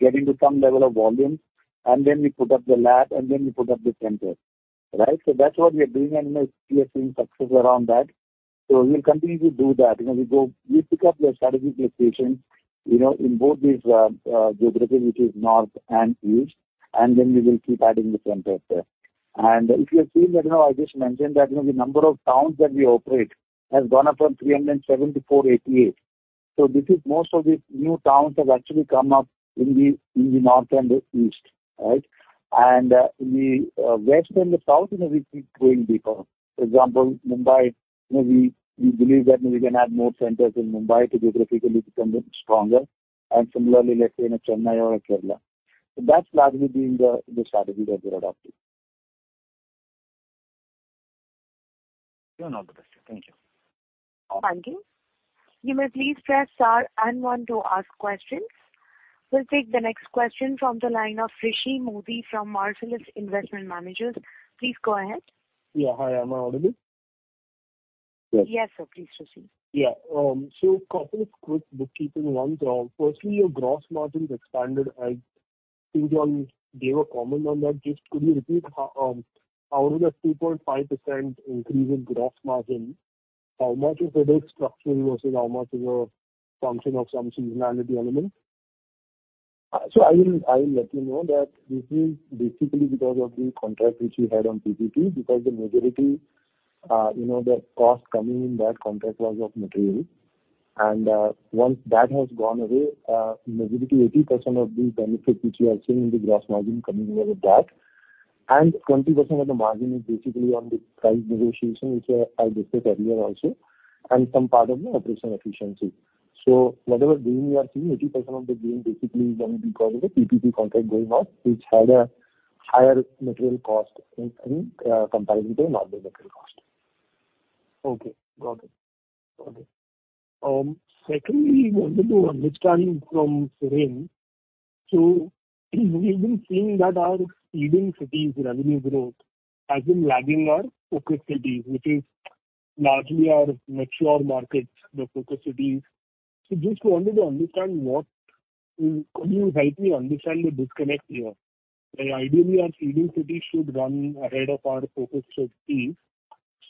Speaker 4: get into some level of volume, and then we put up the lab, and then we put up the centers, right? So that's what we are doing, and, you know, we are seeing success around that. So we'll continue to do that. You know, we go, we pick up the strategic locations, you know, in both these geographies, which is north and east, and then we will keep adding the centers there. And if you have seen that, you know, I just mentioned that, you know, the number of towns that we operate has gone up from 307 to 488. So this is most of these new towns have actually come up in the north and the east, right? And in the west and the south, you know, we keep going deeper. For example, Mumbai, you know, we believe that we can add more centers in Mumbai to geographically become stronger, and similarly, let's say, in a Chennai or a Kerala. So that's largely been the strategy that we're adopting.
Speaker 10: You're not the best. Thank you.
Speaker 1: Thank you. You may please press star and one to ask questions. We'll take the next question from the line of Rishi Modi from Marcellus Investment Managers. Please go ahead.
Speaker 9: Yeah. Hi, am I audible?
Speaker 1: Yes, sir. Please proceed.
Speaker 9: Yeah, so couple of quick bookkeeping ones. Firstly, your gross margins expanded. I think you all gave a comment on that. Just could you repeat, out of the 2.5% increase in gross margin? How much is it structural versus how much is a function of some seasonality element?
Speaker 4: So I will, I will let you know that this is basically because of the contract which we had on PPP, because the majority, you know, the cost coming in that contract was of material. And once that has gone away, majority, 80% of the benefit which we are seeing in the gross margin coming in with that, and 20% of the margin is basically on the price negotiation, which I discussed earlier also, and some part of the operational efficiency. So whatever gain we are seeing, 80% of the gain basically is only because of the PPP contract going on, which had a higher material cost in comparison to normal material cost.
Speaker 9: Okay, got it. Got it. Secondly, I wanted to understand from Surendran, so we've been seeing that our leading cities revenue growth has been lagging our focus cities, which is largely our mature markets, the focus cities. So just wanted to understand. Could you help me understand the disconnect here? Ideally, our leading cities should run ahead of our focus cities.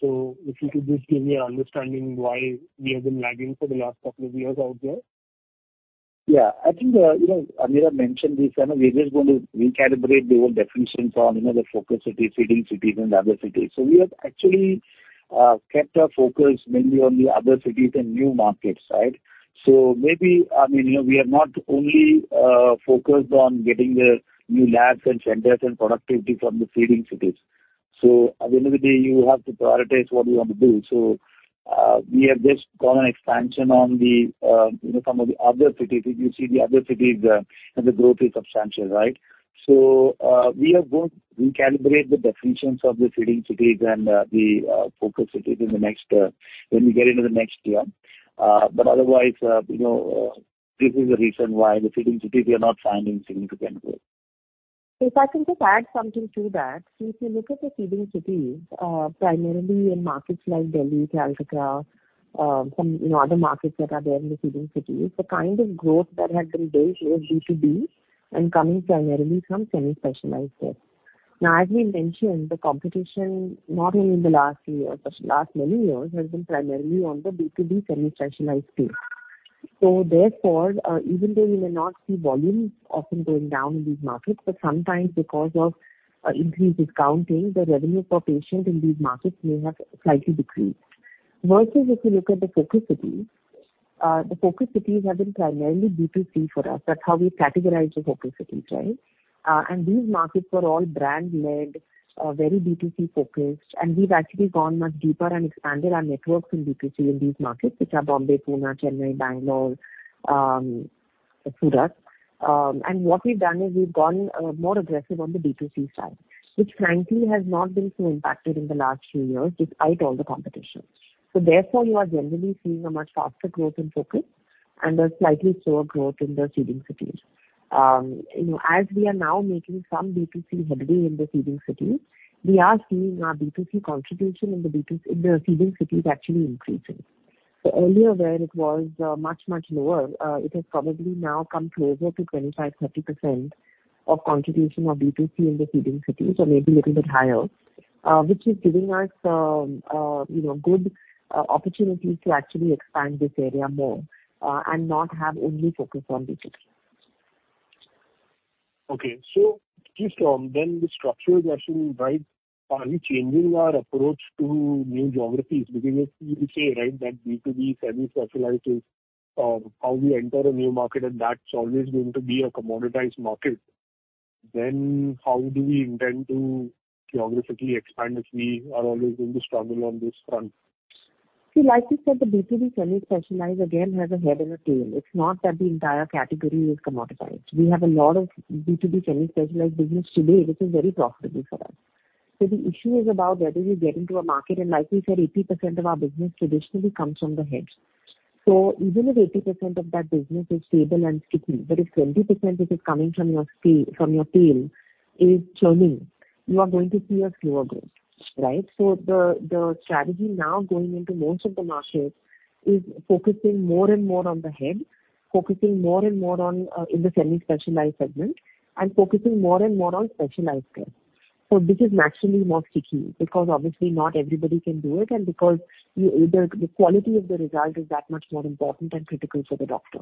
Speaker 9: So if you could just give me an understanding why we have been lagging for the last couple of years out there.
Speaker 4: Yeah. I think, you know, Ameera mentioned this, and we're just going to recalibrate the whole definitions on, you know, the focus cities, leading cities and the other cities. So we have actually kept our focus mainly on the other cities and new markets, right? So maybe, I mean, you know, we are not only focused on getting the new labs and centers and productivity from the leading cities. So at the end of the day, you have to prioritize what you want to do. So, we have just gone on expansion on the, you know, some of the other cities. If you see the other cities and the growth is substantial, right? So, we are going to recalibrate the definitions of the leading cities and the focus cities in the next, when we get into the next year. But otherwise, you know, this is the reason why in the leading cities we are not finding significant growth.
Speaker 3: If I can just add something to that. If you look at the leading cities, primarily in markets like Delhi, Calcutta, some, you know, other markets that are there in the leading cities, the kind of growth that had been very slow B2B and coming primarily from semi-specialized care. Now, as we mentioned, the competition, not only in the last few years, but last many years, has been primarily on the B2B semi-specialized space. So therefore, even though you may not see volumes often going down in these markets, but sometimes because of increased discounting, the revenue per patient in these markets may have slightly decreased. Versus if you look at the focus cities, the focus cities have been primarily B2C for us. That's how we categorize the focus cities, right? These markets are all brand-led, very B2C-focused, and we've actually gone much deeper and expanded our networks in B2C in these markets, which are Mumbai, Pune, Chennai, Bangalore, Surat. What we've done is we've gone more aggressive on the B2C side, which frankly has not been so impacted in the last few years, despite all the competition. Therefore, you are generally seeing a much faster growth in focus and a slightly slower growth in the leading cities. You know, as we are now making some B2C headway in the leading cities, we are seeing our B2C contribution in the leading cities actually increasing. Earlier, where it was much, much lower, it has probably now come closer to 25%-30% of contribution of B2C in the leading cities or maybe a little bit higher, which is giving us, you know, good opportunities to actually expand this area more, and not have only focus on B2C.
Speaker 9: Okay. So just, then the structural question, right, are we changing our approach to new geographies? Because if you say, right, that B2B semi-specialized is, how we enter a new market, and that's always going to be a commoditized market, then how do we intend to geographically expand if we are always going to struggle on this front?
Speaker 3: See, like we said, the B2B semi-specialized again, has a head and a tail. It's not that the entire category is commoditized. We have a lot of B2B semi-specialized business today, which is very profitable for us. So the issue is about whether you get into a market, and like we said, 80% of our business traditionally comes from the head. So even if 80% of that business is stable and sticky, but if 20%, which is coming from your tail, from your tail, is churning, you are going to see a slower growth, right? So the strategy now going into most of the markets is focusing more and more on the head, focusing more and more on in the semi-specialized segment, and focusing more and more on specialized care. So this is naturally more sticky, because obviously not everybody can do it, and because you, the quality of the result is that much more important and critical for the doctor.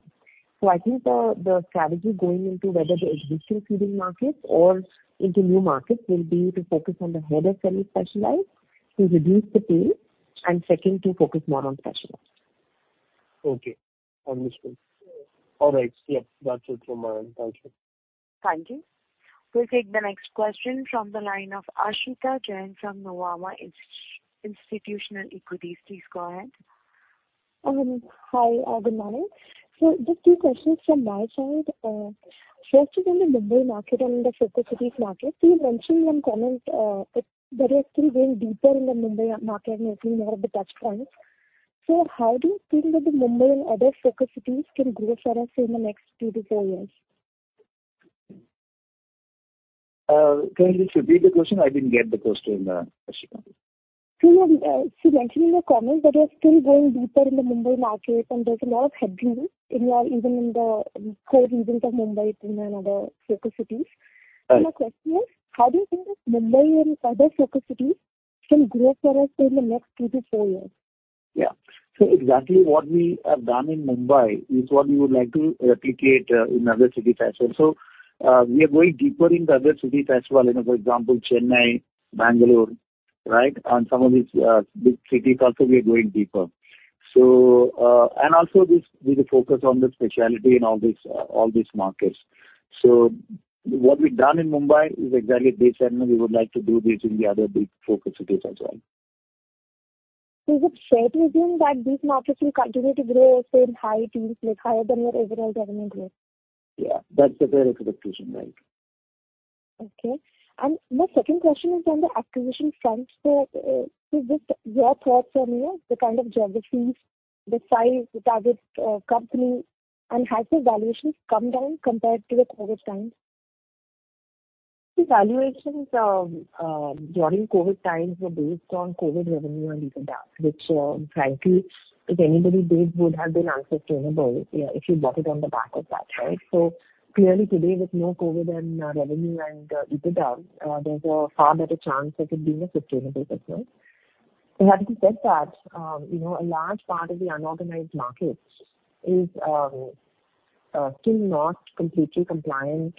Speaker 3: So I think the strategy going into whether the existing leading markets or into new markets will be to focus on the head of semi-specialized, to reduce the tail, and second, to focus more on specialized.
Speaker 9: Okay, understood. All right. Yep, that's it from my end. Thank you.
Speaker 1: Thank you. We'll take the next question from the line of Aashita Jain from Nuvama Institutional Equities. Please go ahead.
Speaker 2: Hi, good morning. So just two questions from my side. First, in the Mumbai market and the focus cities market, you mentioned in your comment, that you are still going deeper in the Mumbai market and seeing more of the touchpoints. So how do you think that the Mumbai and other focus cities can grow for us in the next 2-4 years?
Speaker 4: Can you just repeat the question? I didn't get the question, Aashita.
Speaker 2: So, you mentioned in your comments that you are still going deeper in the Mumbai market, and there's a lot of headroom in your... even in the core regions of Mumbai and other focus cities.... My question is, how do you think this Mumbai and other focus cities will grow for us in the next 2-4 years?
Speaker 3: Yeah. So exactly what we have done in Mumbai is what we would like to replicate in other cities as well. So, we are going deeper in the other cities as well. You know, for example, Chennai, Bangalore, right? And some of these big cities also we are going deeper. So, and also this, with the focus on the specialty in all these all these markets. So what we've done in Mumbai is exactly the same, and we would like to do this in the other big four cities as well.
Speaker 2: Is it fair to assume that these markets will continue to grow at the same high teens, like, higher than your overall revenue growth?
Speaker 3: Yeah, that's a fair expectation, right?
Speaker 2: Okay. And my second question is on the acquisition front. So, just your thoughts on, you know, the kind of geographies, the size, the target company, and have the valuations come down compared to the COVID times?
Speaker 3: The valuations during COVID times were based on COVID revenue and EBITDA, which, frankly, if anybody did, would have been unsustainable, yeah, if you bought it on the back of that, right? So clearly, today, with no COVID and revenue and EBITDA, there's a far better chance of it being a sustainable business. And having said that, you know, a large part of the unorganized markets is still not completely compliant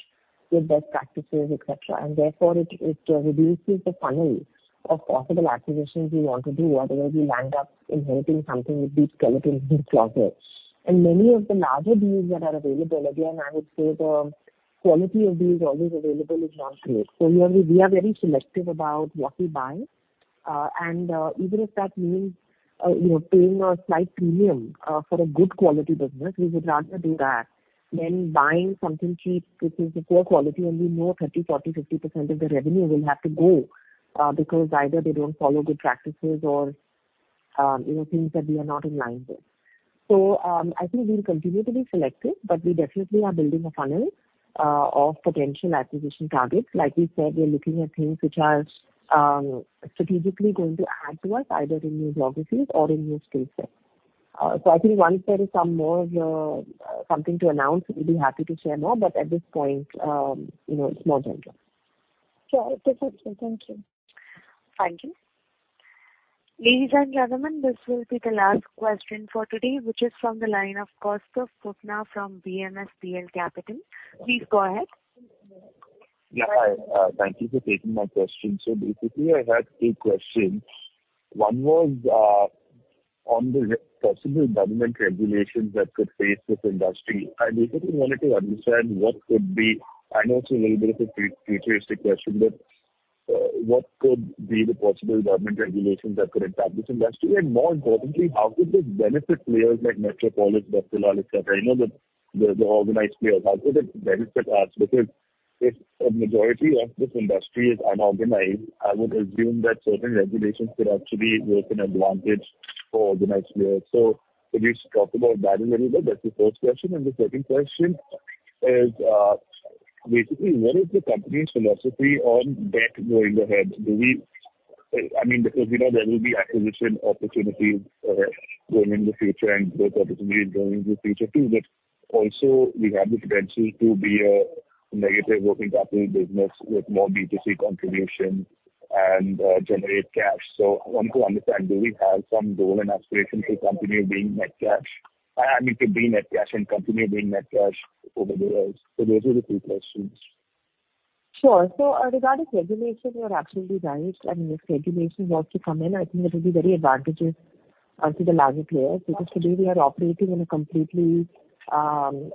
Speaker 3: with best practices, et cetera. And therefore, it reduces the funnel of possible acquisitions we want to do. Otherwise, we land up inheriting something with big skeletons in the closet. And many of the larger deals that are available, again, I would say the quality of deals always available is not great. So we are very, we are very selective about what we buy. Even if that means, you know, paying a slight premium for a good quality business, we would rather do that than buying something cheap, which is a poor quality, and we know 30, 40, 50% of the revenue will have to go because either they don't follow good practices or, you know, things that we are not in line with. So, I think we will continue to be selective, but we definitely are building a funnel of potential acquisition targets. Like we said, we are looking at things which are strategically going to add to us, either in new geographies or in new skill sets. So I think once there is some more something to announce, we'll be happy to share more, but at this point, you know, it's not done yet.
Speaker 2: Sure. It's okay. Thank you.
Speaker 1: Thank you. Ladies and gentlemen, this will be the last question for today, which is from the line of Kaustav Bubna from BMSPL Capital. Please go ahead.
Speaker 11: Yeah. Hi, thank you for taking my question. So basically, I had two questions. One was on the possible government regulations that could face this industry. I basically wanted to understand what could be—I know it's a little bit of a futuristic question, but what could be the possible government regulations that could impact this industry? And more importantly, how could this benefit players like Metropolis, Dr. Lal, et cetera? I know that they're the organized players. How could it benefit us? Because if a majority of this industry is unorganized, I would assume that certain regulations could actually work an advantage for organized players. So if you talk about that a little bit, that's the first question. And the second question is basically, what is the company's philosophy on debt going ahead? Do we... I mean, because, you know, there will be acquisition opportunities, going in the future and growth opportunities going in the future, too. But also we have the potential to be a negative working capital business with more B2C contribution and, generate cash. So I want to understand, do we have some goal and aspiration to continue being net cash? I mean, to be net cash and continue being net cash over the years. So those are the two questions.
Speaker 3: Sure. So, regarding regulation, you're absolutely right. I mean, if regulation were to come in, I think it will be very advantageous to the larger players, because today we are operating on a completely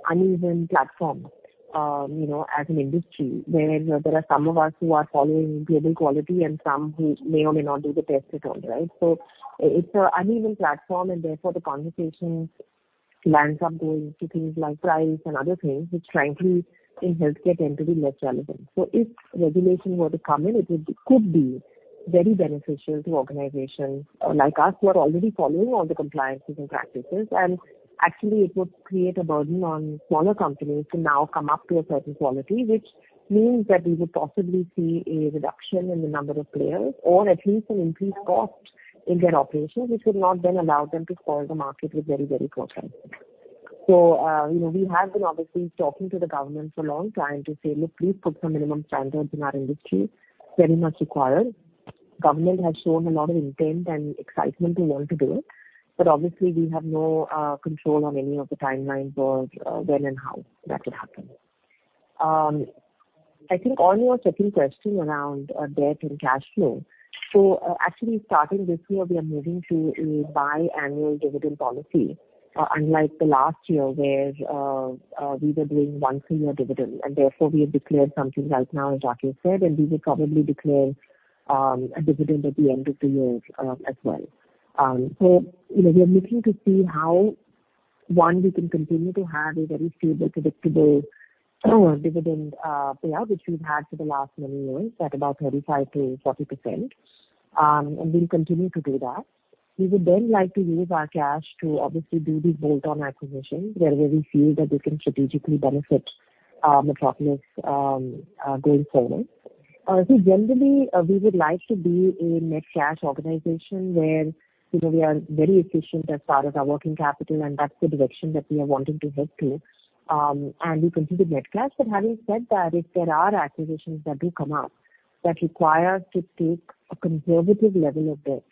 Speaker 3: uneven platform. You know, as an industry, where there are some of us who are following payable quality and some who may or may not do the test at all, right? So it's an uneven platform, and therefore, the conversation lands up going to things like price and other things, which frankly, in healthcare, tend to be less relevant. So if regulation were to come in, it could be very beneficial to organizations like us, who are already following all the compliances and practices. Actually, it would create a burden on smaller companies to now come up to a certain quality, which means that we would possibly see a reduction in the number of players or at least an increased cost in their operations, which would not then allow them to spoil the market with very, very poor prices. So, you know, we have been obviously talking to the government for long, trying to say, "Look, please put some minimum standards in our industry. Very much required." Government has shown a lot of intent and excitement to want to do it, but obviously we have no control on any of the timelines or when and how that will happen. I think on your second question around debt and cash flow. So, actually starting this year, we are moving to a biannual dividend policy. Unlike the last year, where we were doing once-a-year dividend, and therefore, we have declared something right now, as Jackie said, and we will probably declare a dividend at the end of the year, as well. So, you know, we are looking to see how, one, we can continue to have a very stable, predictable, dividend payout, which we've had for the last many years, at about 35%-40%. And we'll continue to do that. We would then like to use our cash to obviously do these bolt-on acquisitions, where we feel that they can strategically benefit Metropolis going forward. So generally, we would like to be a net cash organization where, you know, we are very efficient as far as our working capital, and that's the direction that we are wanting to head to. And we consider net cash. But having said that, if there are acquisitions that do come up that require us to take a conservative level of debt,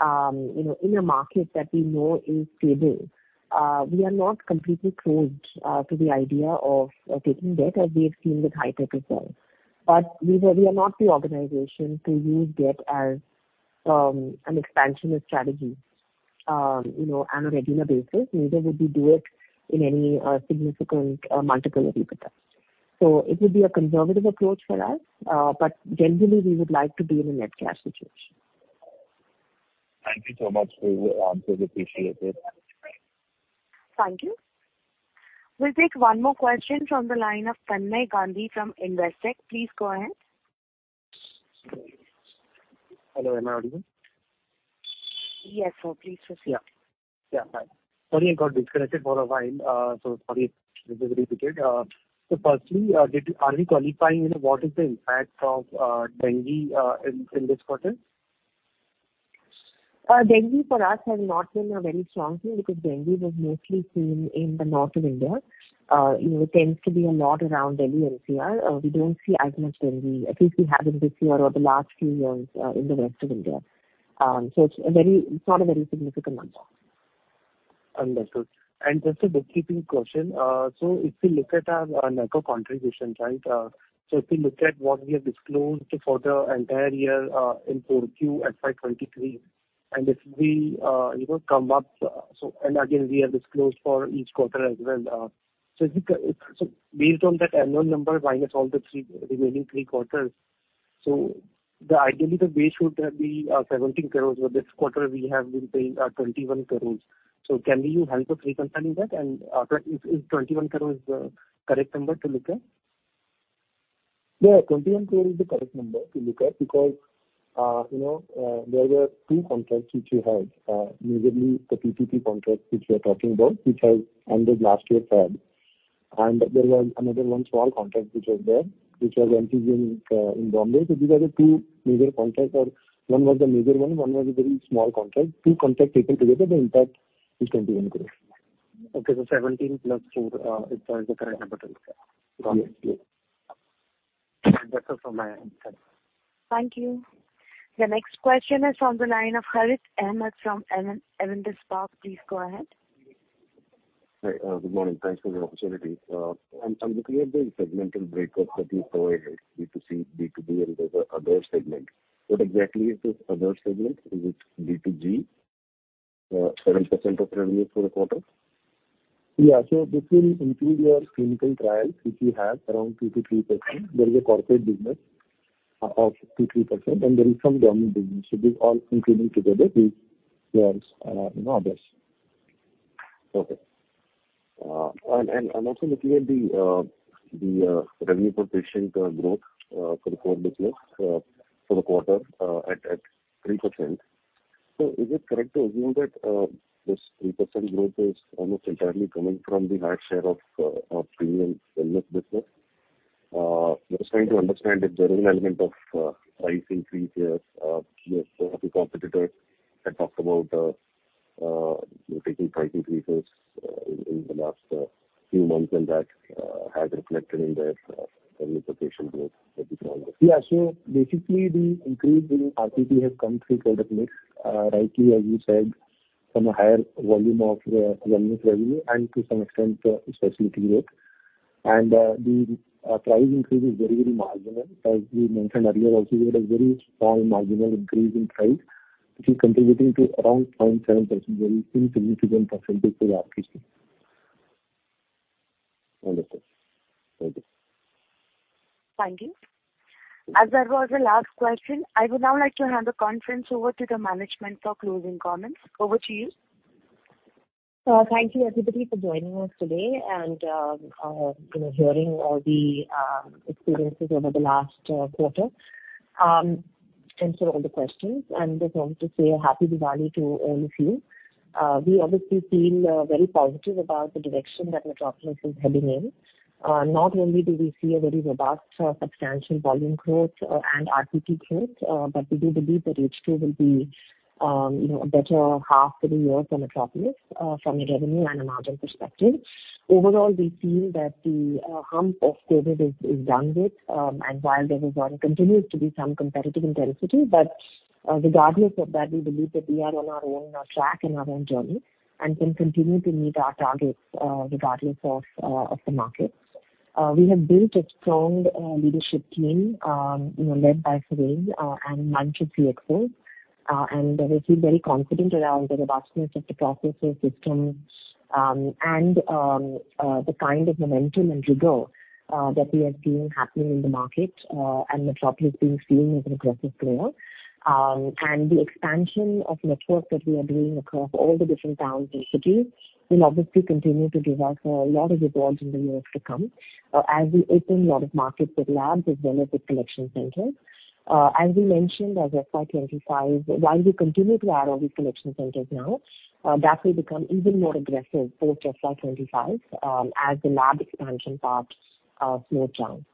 Speaker 3: you know, in a market that we know is stable, we are not completely closed to the idea of taking debt, as we have seen with Hitech as well. But we are, we are not the organization to use debt as an expansionist strategy, you know, on a regular basis, neither would we do it in any significant multiple of EBITDA. So it would be a conservative approach for us, but generally we would like to be in a net cash situation.
Speaker 11: Thank you so much for your answers. Appreciate it.
Speaker 1: Thank you. We'll take one more question from the line of Tanmay Gandhi from Investec. Please go ahead.
Speaker 9: Hello, am I audible?
Speaker 1: Yes, sir. Please proceed.
Speaker 9: Yeah. Yeah, hi. Sorry, I got disconnected for a while, so sorry if I repeated. So firstly, are we qualifying, you know, what is the impact of dengue in this quarter?
Speaker 3: Dengue for us has not been a very strong thing, because dengue was mostly seen in the north of India. You know, it tends to be a lot around Delhi NCR. We don't see as much dengue, at least we haven't this year or the last few years, in the rest of India. So it's a very... It's not a very significant impact.
Speaker 9: Understood. Just a bookkeeping question. So if you look at our network contributions, right? So if you look at what we have disclosed for the entire year in Q4 FY23, and if we you know come up, so and again, we have disclosed for each quarter as well. So based on that annual number, minus the three remaining quarters, so ideally the base would have been 17 crore, but this quarter we have been paying 21 crore. So can you help us reconciling that? And is 21 crore the correct number to look at?
Speaker 4: Yeah, 21 crore is the correct number to look at, because, you know, there were two contracts which we had. Majorly the PPP contract, which we are talking about, which has ended last year, February. And there was another one small contract which was there, which was NACO, in Bombay. So these are the two major contracts, or one was the major one, one was a very small contract. Two contracts taken together, the impact is INR 21 crore.
Speaker 9: Okay, so 17 plus 4 is the correct number to look at?
Speaker 4: Yes, please.
Speaker 9: That's all from my end. Thank you.
Speaker 1: Thank you. The next question is on the line of Harith Ahamed from Spark Capital. Please go ahead.
Speaker 12: Hi, good morning. Thanks for the opportunity. I'm looking at the segmental breakup that you provided, B2C, B2B, and there's the other segment. What exactly is this other segment? Is it B2G? 7% of revenue for the quarter.
Speaker 4: Yeah. So this will include your clinical trials, which we have around 2%-3%. There is a corporate business of 2-3%, and there is some government business. So these all including together is, you know, others.
Speaker 12: Okay. And I'm also looking at the revenue per patient growth for the core business for the quarter at 3%. So is it correct to assume that this 3% growth is almost entirely coming from the high share of premium wellness business? I'm just trying to understand if there is an element of price increase here. Your competitors had talked about taking price increases in the last few months, and that has reflected in their revenue per patient growth that we saw.
Speaker 4: Yeah. So basically, the increase in RPP has come through product mix. Rightly, as you said, from a higher volume of wellness revenue and to some extent, specialty growth. And the price increase is very, very marginal. As we mentioned earlier, also, we had a very small marginal increase in price, which is contributing to around 0.7%, very insignificant percentage to the RPP.
Speaker 12: Understood. Thank you.
Speaker 1: Thank you. As that was the last question, I would now like to hand the conference over to the management for closing comments. Over to you.
Speaker 3: Thank you, everybody, for joining us today and, you know, hearing all the experiences over the last quarter, answer all the questions, and just want to say a happy Diwali to all of you. We obviously feel very positive about the direction that Metropolis is heading in. Not only do we see a very robust, substantial volume growth and RPP growth, but we do believe that H2 will be, you know, a better half to the year for Metropolis, from a revenue and a margin perspective. Overall, we feel that the hump of COVID is done with, and while there will continue to be some competitive intensity. But, regardless of that, we believe that we are on our own track and our own journey, and can continue to meet our targets, regardless of the market. We have built a strong leadership team, you know, led by Surendran and Rakesh, CFO. We feel very confident around the robustness of the processes, systems, and the kind of momentum and rigor that we have seen happening in the market, and Metropolis being seen as an aggressive player. The expansion of network that we are doing across all the different towns and cities will obviously continue to give us a lot of rewards in the years to come, as we open a lot of markets with labs as well as with collection centers. As we mentioned, as FY 2025, while we continue to add all the collection centers now, that will become even more aggressive post FY 2025, as the lab expansion paths slow down.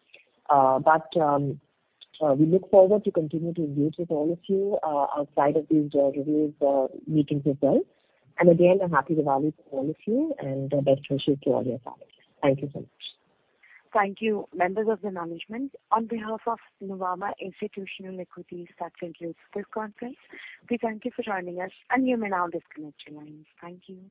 Speaker 3: We look forward to continue to engage with all of you, outside of these reviews, meetings as well. Again, a happy Diwali to all of you, and best wishes to all your families. Thank you so much.
Speaker 1: Thank you, members of the management. On behalf of Nuvama Institutional Equities, that concludes this conference. We thank you for joining us, and you may now disconnect your lines. Thank you.